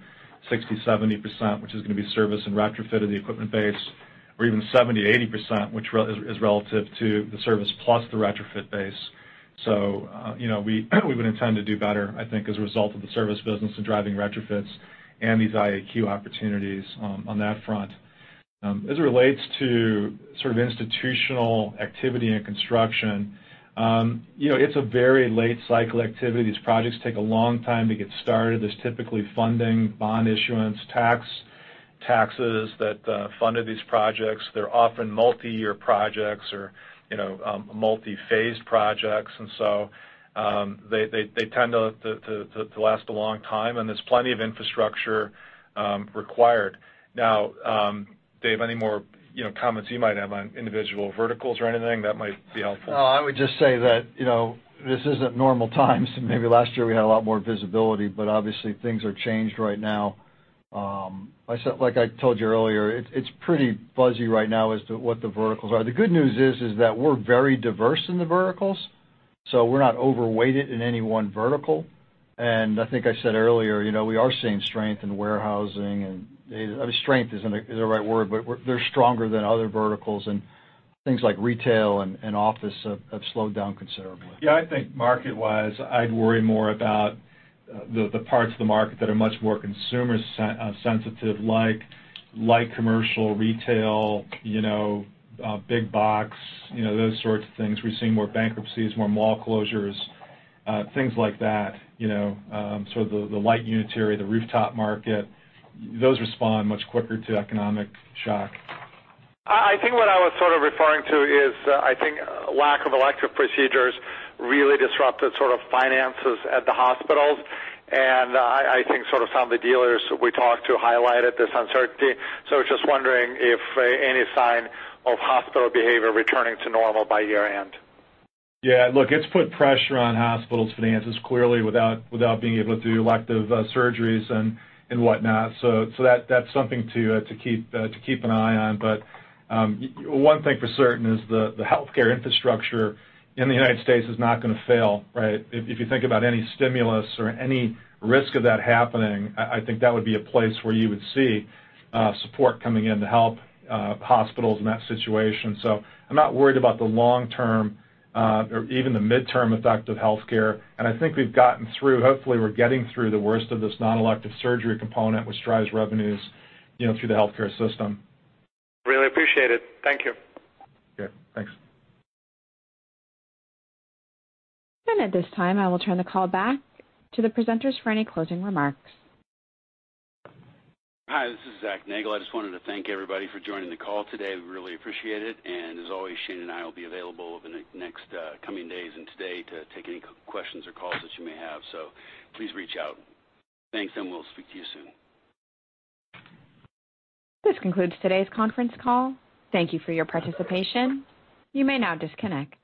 60%-70%, which is gonna be service and retrofit of the equipment base, or even 70%-80%, which is relative to the service plus the retrofit base. We would intend to do better, I think, as a result of the service business and driving retrofits and these IAQ opportunities, on that front. As it relates to sort of institutional activity and construction, it's a very late cycle activity. These projects take a long time to get started. There's typically funding, bond issuance, taxes that funded these projects. They're often multi-year projects or multi-phase projects. They tend to last a long time, and there's plenty of infrastructure required. Dave, any more comments you might have on individual verticals or anything that might be helpful? I would just say that, this isn't normal times. Maybe last year we had a lot more visibility, obviously, things are changed right now. Like I told you earlier, it's pretty fuzzy right now as to what the verticals are. The good news is that we're very diverse in the verticals, so we're not over-weighted in any one vertical. I think I said earlier, we are seeing strength in warehousing, strength isn't the right word, they're stronger than other verticals, things like retail and office have slowed down considerably. Yeah, I think market-wise, I'd worry more about the parts of the market that are much more consumer sensitive like commercial, retail, big box, those sorts of things. We're seeing more bankruptcies, more mall closures, things like that. Sort of the light unitary the rooftop market, those respond much quicker to economic shock. I think what I was sort of referring to is, I think lack of elective procedures really disrupted sort of finances at the hospitals. I think sort of some of the dealers we talked to highlighted this uncertainty. I was just wondering if any sign of hospital behavior returning to normal by year-end? Yeah, look, it's put pressure on hospitals' finances, clearly, without being able to do elective surgeries and whatnot. That's something to keep an eye on. One thing for certain is the healthcare infrastructure in the United States is not gonna fail, right? If you think about any stimulus or any risk of that happening, I think that would be a place where you would see support coming in to help hospitals in that situation. I'm not worried about the long term or even the midterm effect of healthcare, and I think we've gotten through. Hopefully, we're getting through the worst of this non-elective surgery component, which drives revenues through the healthcare system. Really appreciate it. Thank you. Yeah, thanks. At this time, I will turn the call back to the presenters for any closing remarks. Hi, this is Zach Nagle. I just wanted to thank everybody for joining the call today. We really appreciate it. As always, Shane and I will be available over the next coming days and today to take any questions or calls that you may have. Please reach out. Thanks. We'll speak to you soon. This concludes today's conference call. Thank you for your participation. You may now disconnect.